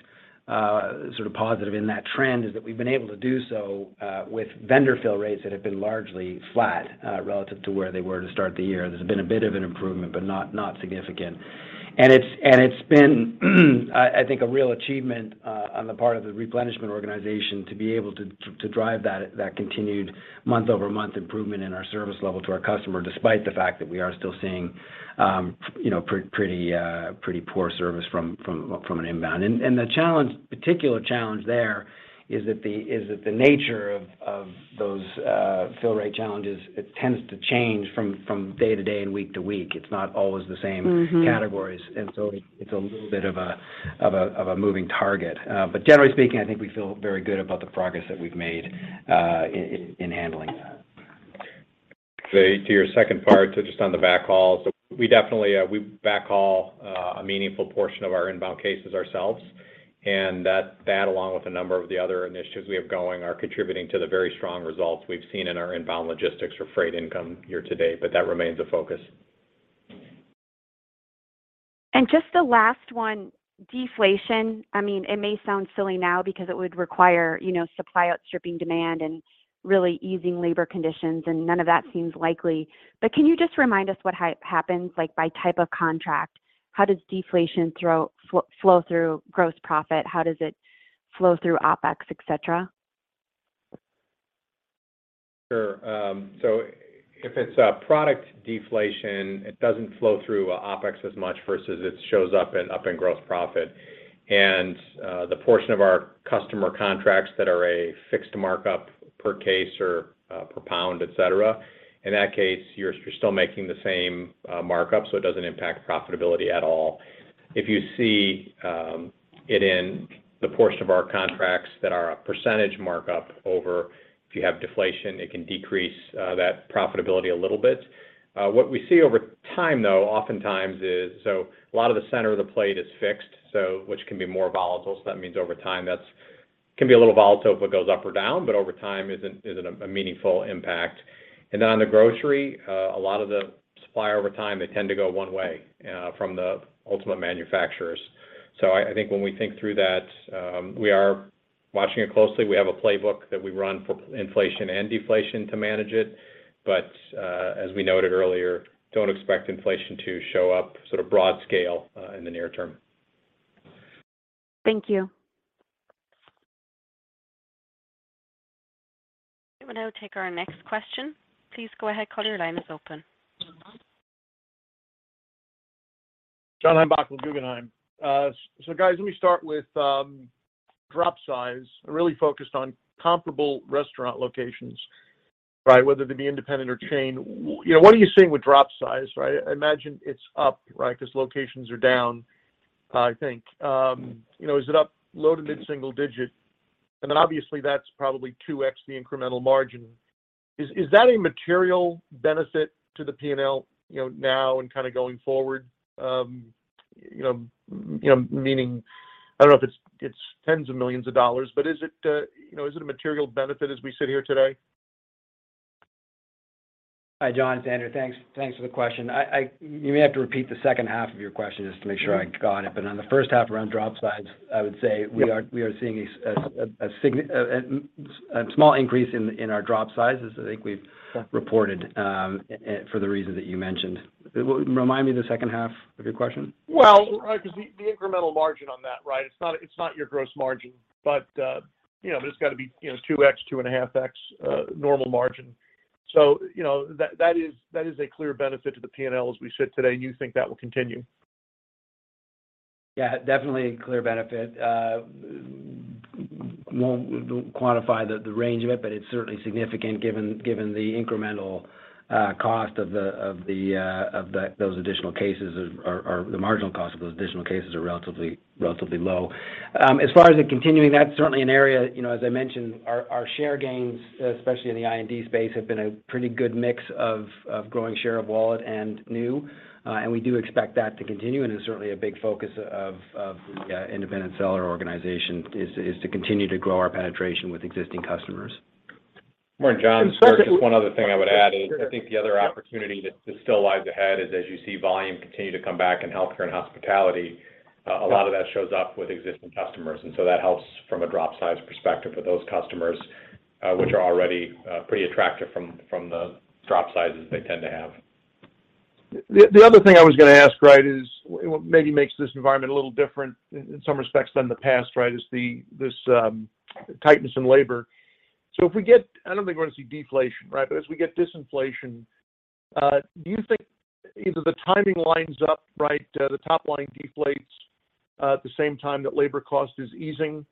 sort of positive in that trend is that we've been able to do so with vendor fill rates that have been largely flat relative to where they were to start the year. There's been a bit of an improvement, but not significant. It's been, I think a real achievement on the part of the replenishment organization to be able to drive that continued month-over-month improvement in our service level to our customer, despite the fact that we are still seeing you know, pretty poor service from an inbound. The challenge, particular challenge there is that the nature of those fill rate challenges tends to change from day to day and week to week. It's not always the same. Mm-hmm categories. It's a little bit of a moving target. But generally speaking, I think we feel very good about the progress that we've made in handling that. To your second part, just on the backhauls, we definitely backhaul a meaningful portion of our inbound cases ourselves, and that along with a number of the other initiatives we have going are contributing to the very strong results we've seen in our inbound logistics or freight income year to date, but that remains a focus. Just the last one, deflation. I mean, it may sound silly now because it would require, you know, supply outstripping demand and really easing labor conditions, and none of that seems likely. Can you just remind us what happens, like, by type of contract? How does deflation flow through gross profit? How does it flow through OpEx, et cetera? Sure. So if it's a product deflation, it doesn't flow through OpEx as much versus it shows up in gross profit. The portion of our customer contracts that are a fixed markup per case or per pound, et cetera, in that case, you're still making the same markup, so it doesn't impact profitability at all. If you see it in the portion of our contracts that are a percentage markup over, if you have deflation, it can decrease that profitability a little bit. What we see over time, though, oftentimes is a lot of the center of the plate is fixed, so which can be more volatile. That means over time, that can be a little volatile if it goes up or down, but over time, isn't a meaningful impact. On the grocery, a lot of the supply over time, they tend to go one way, from the ultimate manufacturers. I think when we think through that, we are watching it closely, we have a playbook that we run for inflation and deflation to manage it. As we noted earlier, don't expect inflation to show up sort of broad scale in the near term. Thank you. We will now take our next question. Please go ahead. Caller, your line is open. John Heinbockel with Guggenheim. Guys, let me start with drop size. Really focused on comparable restaurant locations, right? Whether they be independent or chain. You know, what are you seeing with drop size, right? I imagine it's up, right, because locations are down, I think. You know, is it up low- to mid-single-digit? Obviously that's probably 2x the incremental margin. Is that a material benefit to the P&L, you know, now and kind of going forward? You know, meaning I don't know if it's tens of millions of dollars, but is it a material benefit as we sit here today? Hi, John, it's Andrew. Thanks. Thanks for the question. You may have to repeat the second half of your question just to make sure I got it. On the first half around drop size, I would say we are seeing a small increase in our drop sizes. I think we've reported for the reason that you mentioned. Remind me the second half of your question. Well, right, because the incremental margin on that, right? It's not your gross margin. You know, there's got to be, you know, 2x, 2.5x normal margin. You know, that is a clear benefit to the P&L as we sit today, and you think that will continue. Yeah, definitely a clear benefit. Won't quantify the range of it, but it's certainly significant given the incremental cost of those additional cases or the marginal cost of those additional cases are relatively low. As far as it continuing, that's certainly an area, you know, as I mentioned, our share gains, especially in the IND space, have been a pretty good mix of growing share of wallet and new. We do expect that to continue, and it's certainly a big focus of the independent seller organization is to continue to grow our penetration with existing customers. Good morning, John. Just one other thing I would add is I think the other opportunity that still lies ahead is as you see volume continue to come back in healthcare and hospitality, a lot of that shows up with existing customers, and so that helps from a drop size perspective for those customers, which are already pretty attractive from the drop sizes they tend to have. The other thing I was gonna ask, right, is what maybe makes this environment a little different in some respects than the past, right, is the tightness in labor. I don't think we're gonna see deflation, right? As we get disinflation, do you think either the timing lines up, right, the top line deflates at the same time that labor cost is easing,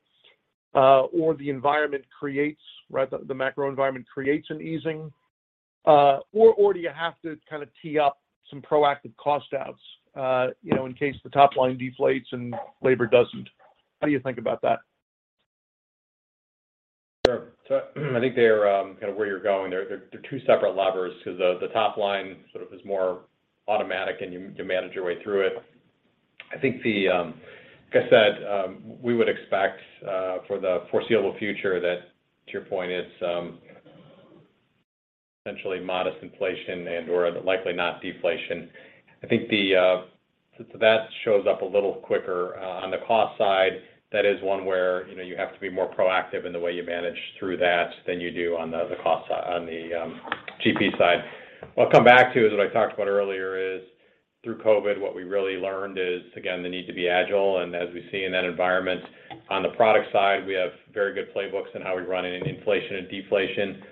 or the environment creates, right, the macro environment creates an easing? Do you have to kind of tee up some proactive cost outs, you know, in case the top line deflates and labor doesn't? How do you think about that? Sure. I think they're kind of where you're going. They're two separate levers because the top line sort of is more automatic and you manage your way through it. I think, like I said, we would expect for the foreseeable future that to your point it's essentially modest inflation and/or likely not deflation. I think, so that shows up a little quicker on the cost side. That is one where, you know, you have to be more proactive in the way you manage through that than you do on the cost side, on the GP side. What I'll come back to is what I talked about earlier is through COVID, what we really learned is, again, the need to be agile. As we see in that environment on the product side, we have very good playbooks in how we run in inflation and deflation.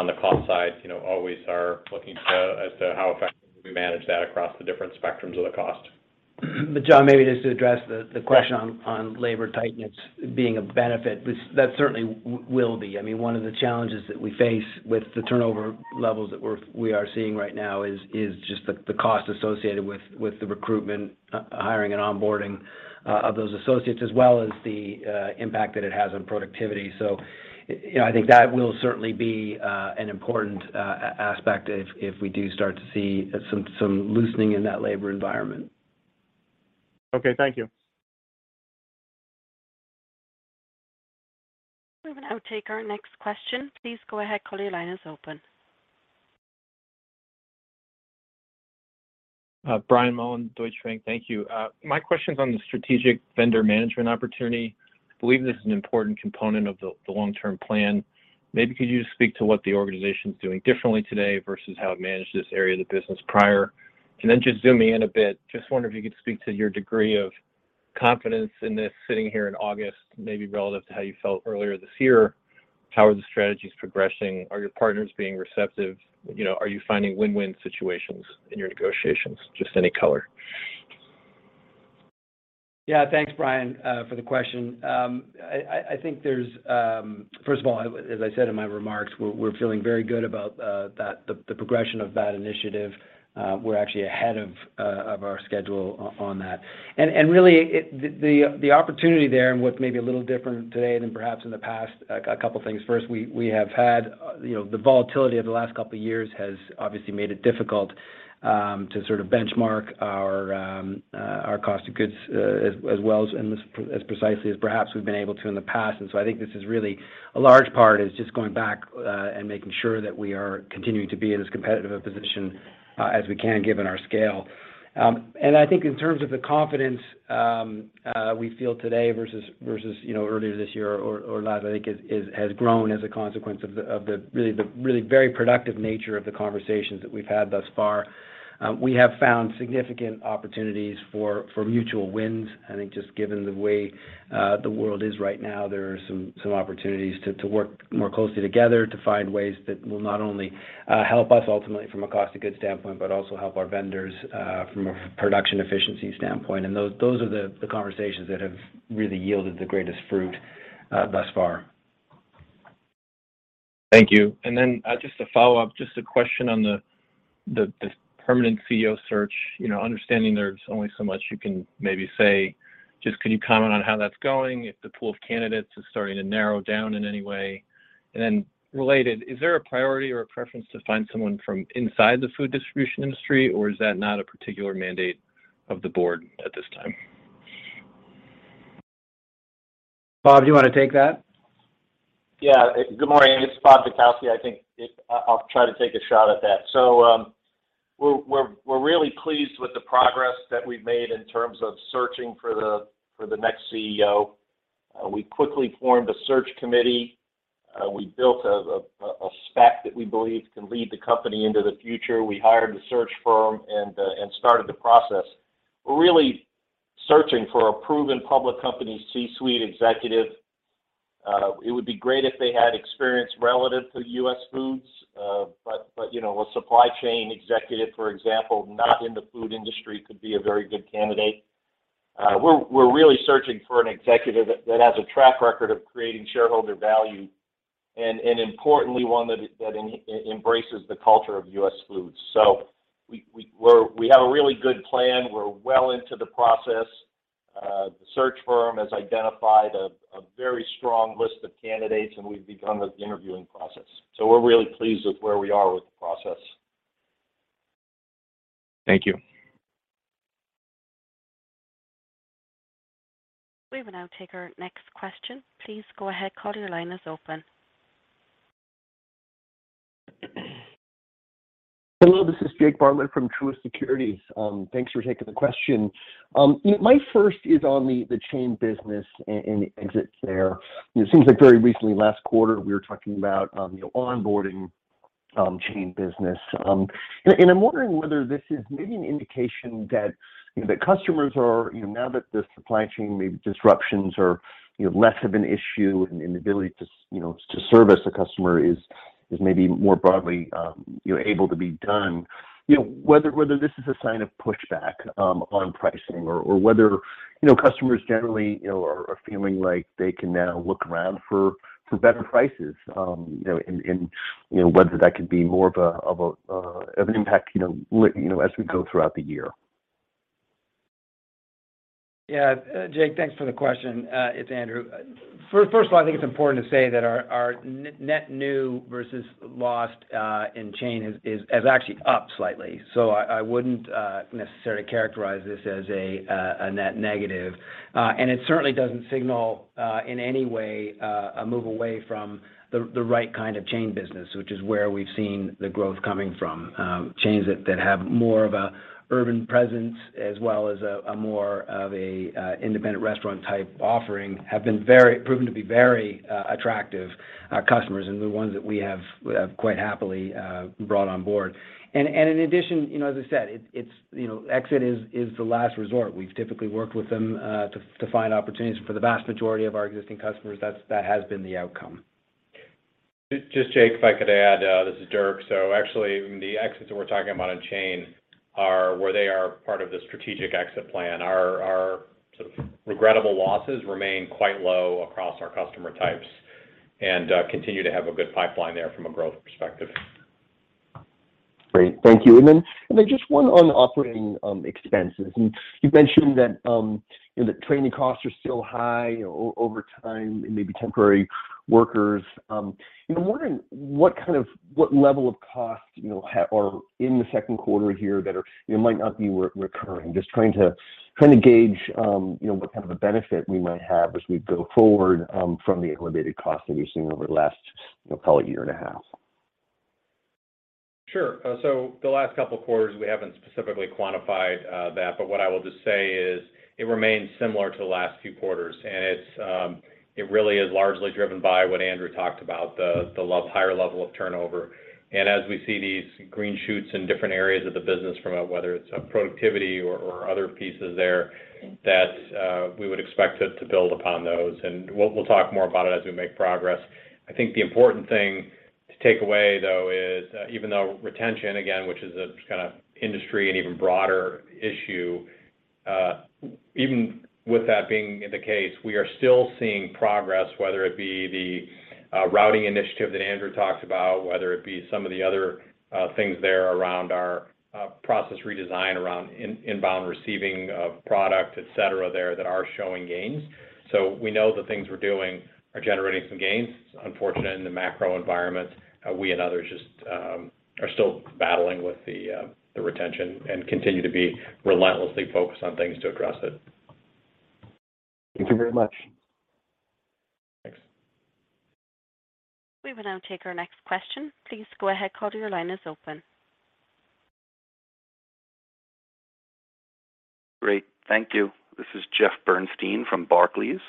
On the cost side, you know, always are looking to as to how effectively we manage that across the different spectrums of the cost. John, maybe just to address the question on labor tightness being a benefit, that certainly will be. I mean, one of the challenges that we face with the turnover levels that we are seeing right now is just the cost associated with the recruitment, hiring and onboarding of those associates, as well as the impact that it has on productivity. You know, I think that will certainly be an important aspect if we do start to see some loosening in that labor environment. Okay. Thank you. We will now take our next question. Please go ahead. Your line is open. Brian Mullan, Deutsche Bank. Thank you. My question is on the strategic vendor management opportunity. I believe this is an important component of the long-term plan. Maybe could you just speak to what the organization is doing differently today versus how it managed this area of the business prior? Just zoom me in a bit. Just wondering if you could speak to your degree of confidence in this sitting here in August, maybe relative to how you felt earlier this year. How are the strategies progressing? Are your partners being receptive? You know, are you finding win-win situations in your negotiations? Just any color. Yeah. Thanks, Brian, for the question. I think there's. First of all, as I said in my remarks, we're feeling very good about the opportunity there and what may be a little different today than perhaps in the past, a couple things. First, we have had, you know, the volatility of the last couple years has obviously made it difficult to sort of benchmark our cost of goods as well as and as precisely as perhaps we've been able to in the past. I think this is really a large part is just going back, and making sure that we are continuing to be in as competitive a position, as we can given our scale. I think in terms of the confidence, we feel today versus, you know, earlier this year or last, I think has grown as a consequence of the really very productive nature of the conversations that we've had thus far. We have found significant opportunities for mutual wins. I think just given the way, the world is right now, there are some opportunities to work more closely together to find ways that will not only, help us ultimately from a cost of goods standpoint, but also help our vendors, from a production efficiency standpoint. Those are the conversations that have really yielded the greatest fruit, thus far. Thank you. Then, just to follow up, just a question on the permanent CEO search. You know, understanding there's only so much you can maybe say, just can you comment on how that's going, if the pool of candidates is starting to narrow down in any way? Related, is there a priority or a preference to find someone from inside the food distribution industry, or is that not a particular mandate of the board at this time? Bob, do you wanna take that? Yeah. Good morning. It's Robert Dutkowsky. I think I'll try to take a shot at that. We're really pleased with the progress that we've made in terms of searching for the next CEO. We quickly formed a search committee. We built a spec that we believe can lead the company into the future. We hired a search firm and started the process. We're really searching for a proven public company C-suite executive. It would be great if they had experience relative to US Foods, but you know, a supply chain executive, for example, not in the food industry could be a very good candidate. We're really searching for an executive that has a track record of creating shareholder value and importantly, one that embraces the culture of US Foods. We have a really good plan. We're well into the process. The search firm has identified a very strong list of candidates, and we've begun the interviewing process. We're really pleased with where we are with the process. Thank you. We will now take our next question. Please go ahead. Caller, your line is open. Hello, this is Jake Bartlett from Truist Securities. Thanks for taking the question. My first is on the chain business and exits there. It seems like very recently, last quarter, we were talking about, you know, onboarding chain business. I'm wondering whether this is maybe an indication that, you know, the customers are, you know, now that the supply chain maybe disruptions are, you know, less of an issue and the ability to, you know, to service a customer is maybe more broadly, you know, able to be done. You know, whether this is a sign of pushback on pricing or whether, you know, customers generally, you know, are feeling like they can now look around for better prices, you know, and, you know, whether that could be more of an impact, you know, as we go throughout the year. Yeah. Jake, thanks for the question. It's Andrew. First of all, I think it's important to say that our net new versus lost in chain is actually up slightly. I wouldn't necessarily characterize this as a net negative. It certainly doesn't signal in any way a move away from the right kind of chain business, which is where we've seen the growth coming from. Chains that have more of an urban presence as well as a more of an independent restaurant type offering have proven to be very attractive customers and the ones that we have quite happily brought on board. In addition, you know, as I said, it's you know, exit is the last resort. We've typically worked with them to find opportunities. For the vast majority of our existing customers, that has been the outcome. Just Jake, if I could add. This is Dirk. Actually, the exits that we're talking about in chain are where they are part of the strategic exit plan. Our sort of regrettable losses remain quite low across our customer types and continue to have a good pipeline there from a growth perspective. Great. Thank you. Just one on operating expenses. You've mentioned that the training costs are still high over time and maybe temporary workers. I'm wondering what level of costs or in the second quarter here that might not be recurring. Just trying to gauge what kind of a benefit we might have as we go forward from the elevated costs that we've seen over the last call it year and a half. Sure, the last couple of quarters, we haven't specifically quantified that, but what I will just say is it remains similar to the last few quarters, and it's it really is largely driven by what Andrew talked about, the higher level of turnover. We see these green shoots in different areas of the business from a whether it's a productivity or other pieces there, that we would expect to build upon those. We'll talk more about it as we make progress. I think the important thing to take away, though, is even though retention, again, which is a kind of industry and even broader issue, even with that being the case, we are still seeing progress, whether it be the routing initiative that Andrew talked about, whether it be some of the other things there around our process redesign around inbound receiving of product, et cetera, there that are showing gains. We know the things we're doing are generating some gains. Unfortunately, in the macro environment, we and others just are still battling with the retention and continue to be relentlessly focused on things to address it. Thank you very much. Thanks. We will now take our next question. Please go ahead. Caller, your line is open. Great. Thank you. This is Jeffrey Bernstein from Barclays.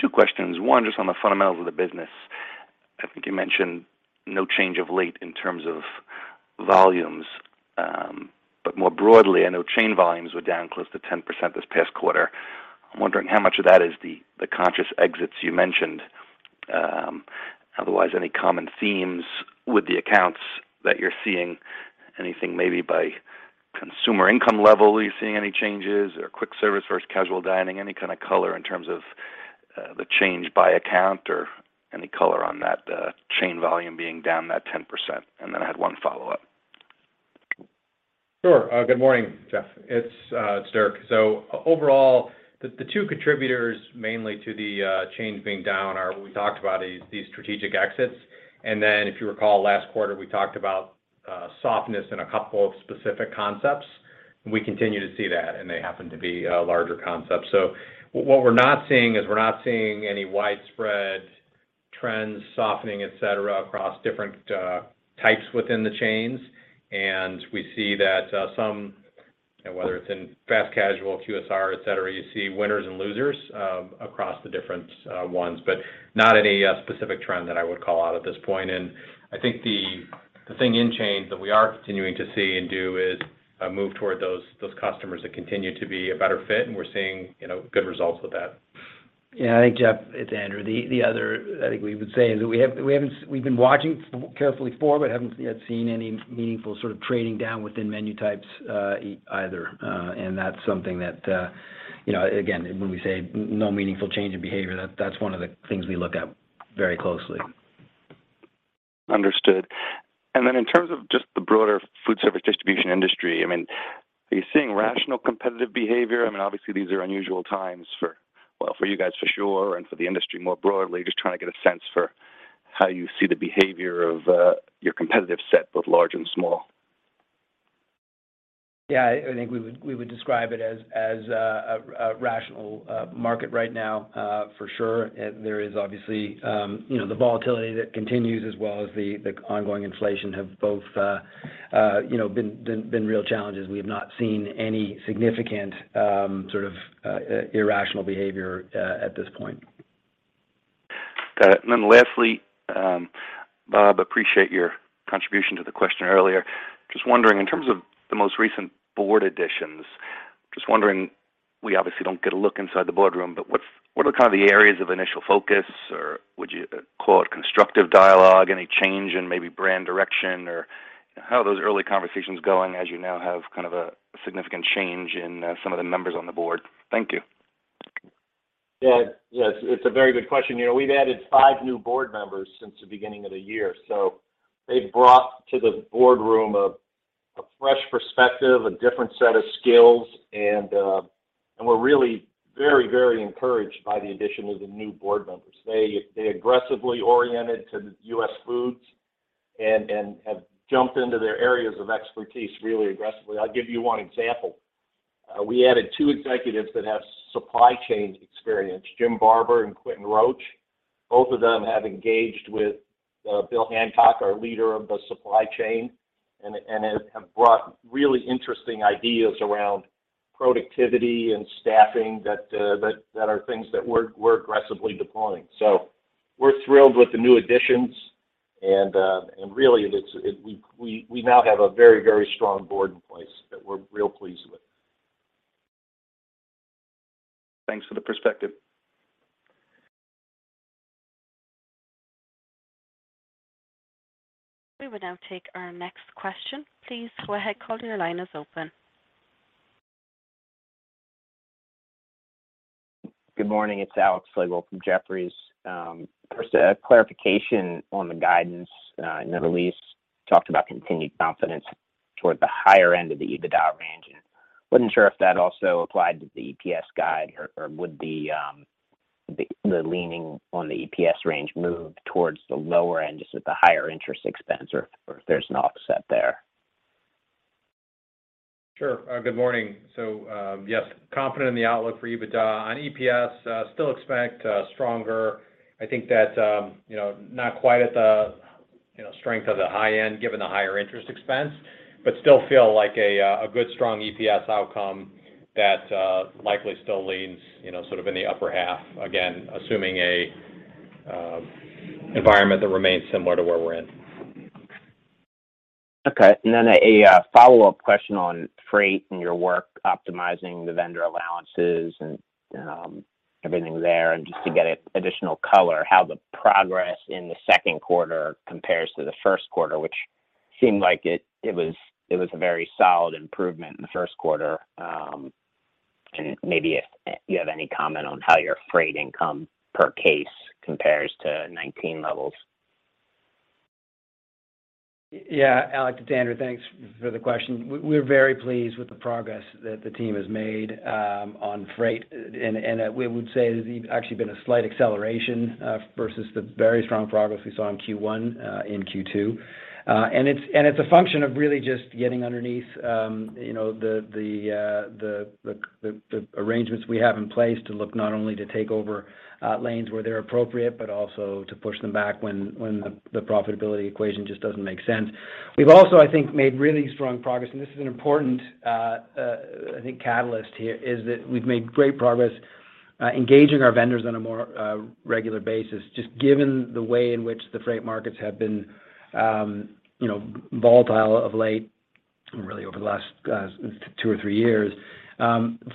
Two questions. One, just on the fundamentals of the business. I think you mentioned no change of late in terms of volumes. But more broadly, I know chain volumes were down close to 10% this past quarter. I'm wondering how much of that is the conscious exits you mentioned. Otherwise, any common themes with the accounts that you're seeing? Anything maybe by consumer income level, are you seeing any changes or quick service versus casual dining? Any kind of color in terms of the change by account or any color on that chain volume being down that 10%. And then I had one follow-up. Sure. Good morning, Jeff. It's Dirk. Overall, the two contributors mainly to the change being down are. We talked about these strategic exits. If you recall last quarter, we talked about softness in a couple of specific concepts, and we continue to see that, and they happen to be larger concepts. What we're not seeing is we're not seeing any widespread trends softening, et cetera, across different types within the chains. We see that some, whether it's in fast casual, QSR, et cetera, you see winners and losers across the different ones, but not any specific trend that I would call out at this point. I think the thing is change that we are continuing to see and do is move toward those customers that continue to be a better fit, and we're seeing, you know, good results with that. Yeah. I think, Jeff, it's Andrew. The other I think we would say is that we've been watching carefully for, but haven't yet seen any meaningful sort of trading down within menu types, either. That's something that, you know, again, when we say no meaningful change in behavior, that's one of the things we look at very closely. Understood. In terms of just the broader food service distribution industry, I mean, are you seeing rational competitive behavior? I mean, obviously these are unusual times for, well, for you guys for sure and for the industry more broadly. Just trying to get a sense for how you see the behavior of your competitive set, both large and small. Yeah. I think we would describe it as a rational market right now, for sure. There is obviously, you know, the volatility that continues as well as the ongoing inflation have both, you know, been real challenges. We have not seen any significant, sort of, irrational behavior at this point. Got it. Lastly, Bob, appreciate your contribution to the question earlier. Just wondering in terms of the most recent board additions. Just wondering, we obviously don't get a look inside the boardroom, but what are kind of the areas of initial focus or would you call it constructive dialogue? Any change in maybe brand direction or how are those early conversations going as you now have kind of a significant change in some of the members on the board? Thank you. Yeah. Yes, it's a very good question. You know, we've added five new board members since the beginning of the year. They've brought to the boardroom a fresh perspective, a different set of skills, and we're really very encouraged by the addition of the new board members. They aggressively oriented to US Foods and have jumped into their areas of expertise really aggressively. I'll give you one example. We added two executives that have supply chain experience, Jim Barber and Quentin Roach. Both of them have engaged with Bill Hancock, our leader of the supply chain, and have brought really interesting ideas around productivity and staffing that are things that we're aggressively deploying. We're thrilled with the new additions and really we now have a very, very strong board in place that we're real pleased with. Thanks for the perspective. We will now take our next question. Please go ahead. Caller, your line is open. Good morning. It's Alexander Slagle from Jefferies. First, a clarification on the guidance. In the release, you talked about continued confidence toward the higher end of the EBITDA range, and wasn't sure if that also applied to the EPS guide or would the leaning on the EPS range move towards the lower end just with the higher interest expense or if there's an offset there? Sure. Good morning. Yes, confident in the outlook for EBITDA. On EPS, still expect stronger. I think that, you know, not quite at the, you know, strength of the high end, given the higher interest expense, but still feel like a good strong EPS outcome that likely still leans, you know, sort of in the upper half. Again, assuming a environment that remains similar to where we're in. Okay. A follow-up question on freight and your work optimizing the vendor allowances and everything there. Just to get an additional color, how the progress in the second quarter compares to the first quarter, which seemed like it was a very solid improvement in the first quarter. Maybe if you have any comment on how your freight income per case compares to 2019 levels. Yeah. Alex, it's Andrew. Thanks for the question. We're very pleased with the progress that the team has made on freight. We would say there's actually been a slight acceleration versus the very strong progress we saw in Q1, in Q2. It's a function of really just getting underneath you know the arrangements we have in place to look not only to take over lanes where they're appropriate, but also to push them back when the profitability equation just doesn't make sense. We've also, I think, made really strong progress, and this is an important, I think, catalyst here, is that we've made great progress engaging our vendors on a more regular basis, just given the way in which the freight markets have been, you know, volatile of late, really over the last two or three years.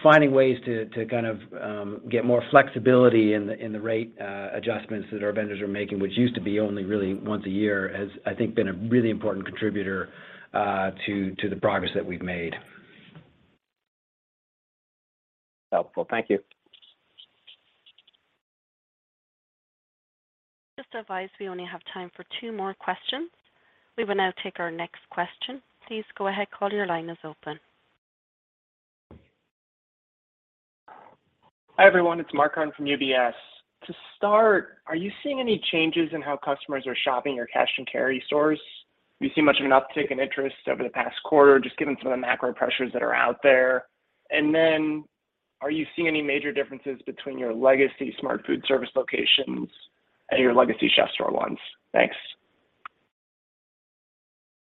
Finding ways to kind of get more flexibility in the rate adjustments that our vendors are making, which used to be only really once a year, has, I think, been a really important contributor to the progress that we've made. Helpful. Thank you. Just to advise, we only have time for two more questions. We will now take our next question. Please go ahead, caller, your line is open. Hi, everyone. It's Mark Carden from UBS. To start, are you seeing any changes in how customers are shopping your cash-and-carry stores? Do you see much of an uptick in interest over the past quarter, just given some of the macro pressures that are out there? Are you seeing any major differences between your legacy Smart Foodservice locations and your legacy CHEF'STORE ones? Thanks.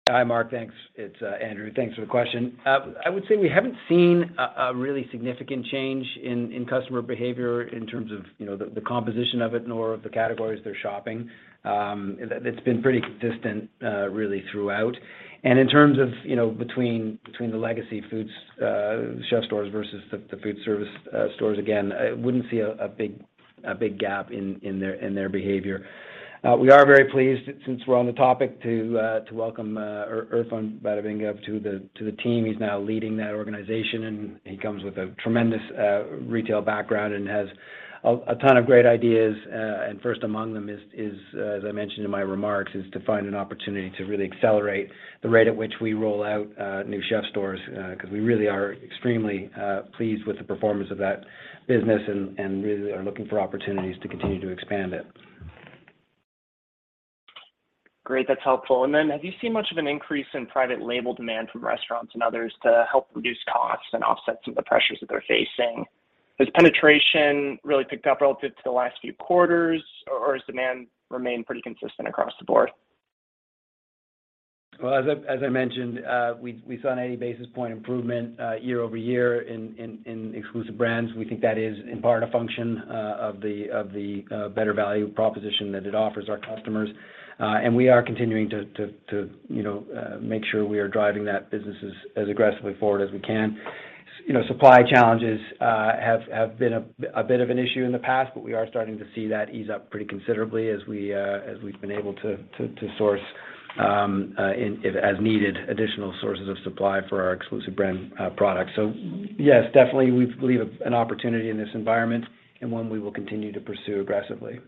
Hi, Mark. Thanks. It's Andrew. Thanks for the question. I would say we haven't seen a really significant change in customer behavior in terms of, you know, the composition of it nor the categories they're shopping. It's been pretty consistent really throughout. In terms of, you know, between the legacy US Foods CHEF'STOREs versus the foodservice stores, again, I wouldn't see a big gap in their behavior. We are very pleased, since we're on the topic, to welcome Irfan Amanat to the team. He's now leading that organization, and he comes with a tremendous retail background and has a ton of great ideas. First among them is, as I mentioned in my remarks, to find an opportunity to really accelerate the rate at which we roll out new CHEF'STOREs. Because we really are extremely pleased with the performance of that business and really are looking for opportunities to continue to expand it. Great. That's helpful. Have you seen much of an increase in private label demand from restaurants and others to help reduce costs and offset some of the pressures that they're facing? Has penetration really picked up relative to the last few quarters, or has demand remained pretty consistent across the board? Well, as I mentioned, we saw an 80 basis point improvement year-over-year in exclusive brands. We think that is in part a function of the better value proposition that it offers our customers. We are continuing to you know make sure we are driving that business as aggressively forward as we can. You know, supply challenges have been a bit of an issue in the past, but we are starting to see that ease up pretty considerably as we've been able to source as needed additional sources of supply for our exclusive brand products. Yes, definitely we believe an opportunity in this environment and one we will continue to pursue aggressively.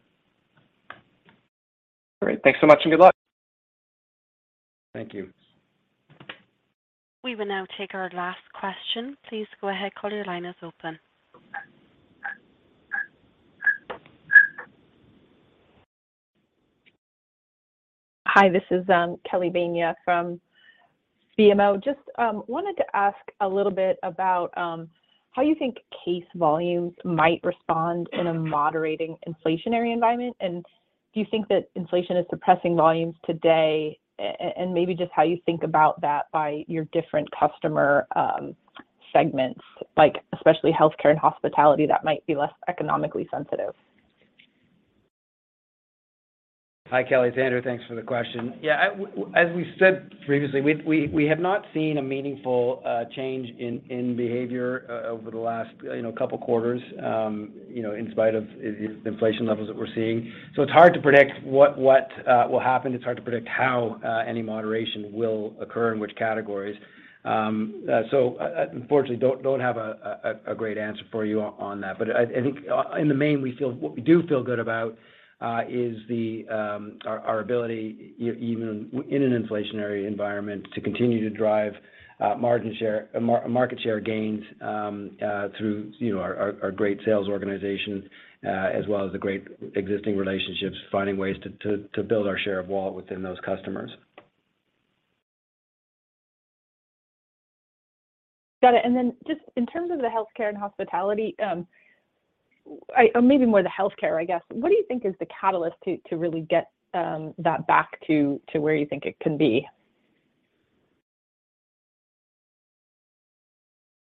Great. Thanks so much, and good luck. Thank you. We will now take our last question. Please go ahead, caller, your line is open. Hi, this is Kelly Bania from BMO. Just wanted to ask a little bit about how you think case volumes might respond in a moderating inflationary environment. Do you think that inflation is suppressing volumes today? Maybe just how you think about that by your different customer segments, like especially healthcare and hospitality that might be less economically sensitive. Hi, Kelly. It's Andrew. Thanks for the question. Yeah, as we said previously, we have not seen a meaningful change in behavior over the last, you know, couple quarters, you know, in spite of inflation levels that we're seeing. It's hard to predict what will happen. It's hard to predict how any moderation will occur in which categories. Unfortunately, don't have a great answer for you on that. I think in the main, what we do feel good about is our ability even in an inflationary environment to continue to drive market share gains through, you know, our great sales organization as well as the great existing relationships, finding ways to build our share of wallet within those customers. Got it. Just in terms of the healthcare and hospitality, or maybe more the healthcare, I guess, what do you think is the catalyst to really get that back to where you think it can be?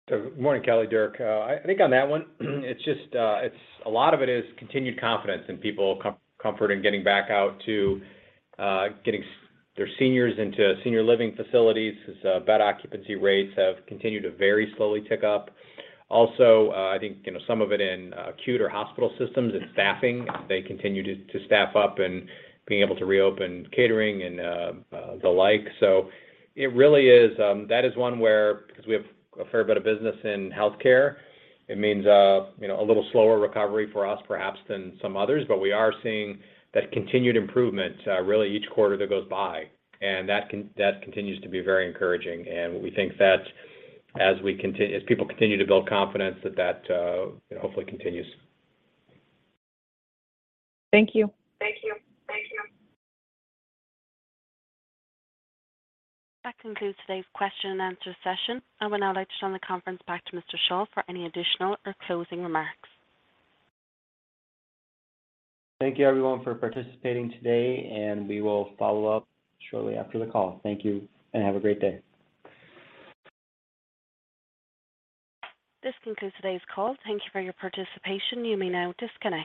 Good morning, Kelly. Dirk. I think on that one, it's just a lot of it is continued confidence in people comfort in getting back out to getting their seniors into senior living facilities as bed occupancy rates have continued to very slowly tick up. Also, I think, you know, some of it in acute or hospital systems and staffing, they continue to staff up and being able to reopen catering and the like. It really is, that is one where, because we have a fair bit of business in healthcare, it means, you know, a little slower recovery for us perhaps than some others. But we are seeing that continued improvement, really each quarter that goes by. That continues to be very encouraging. We think that as people continue to build confidence, that hopefully continues. Thank you. That concludes today's question and answer session. I will now like to turn the conference back to Mr. Shah for any additional or closing remarks. Thank you, everyone, for participating today, and we will follow up shortly after the call. Thank you, and have a great day. This concludes today's call. Thank you for your participation. You may now disconnect.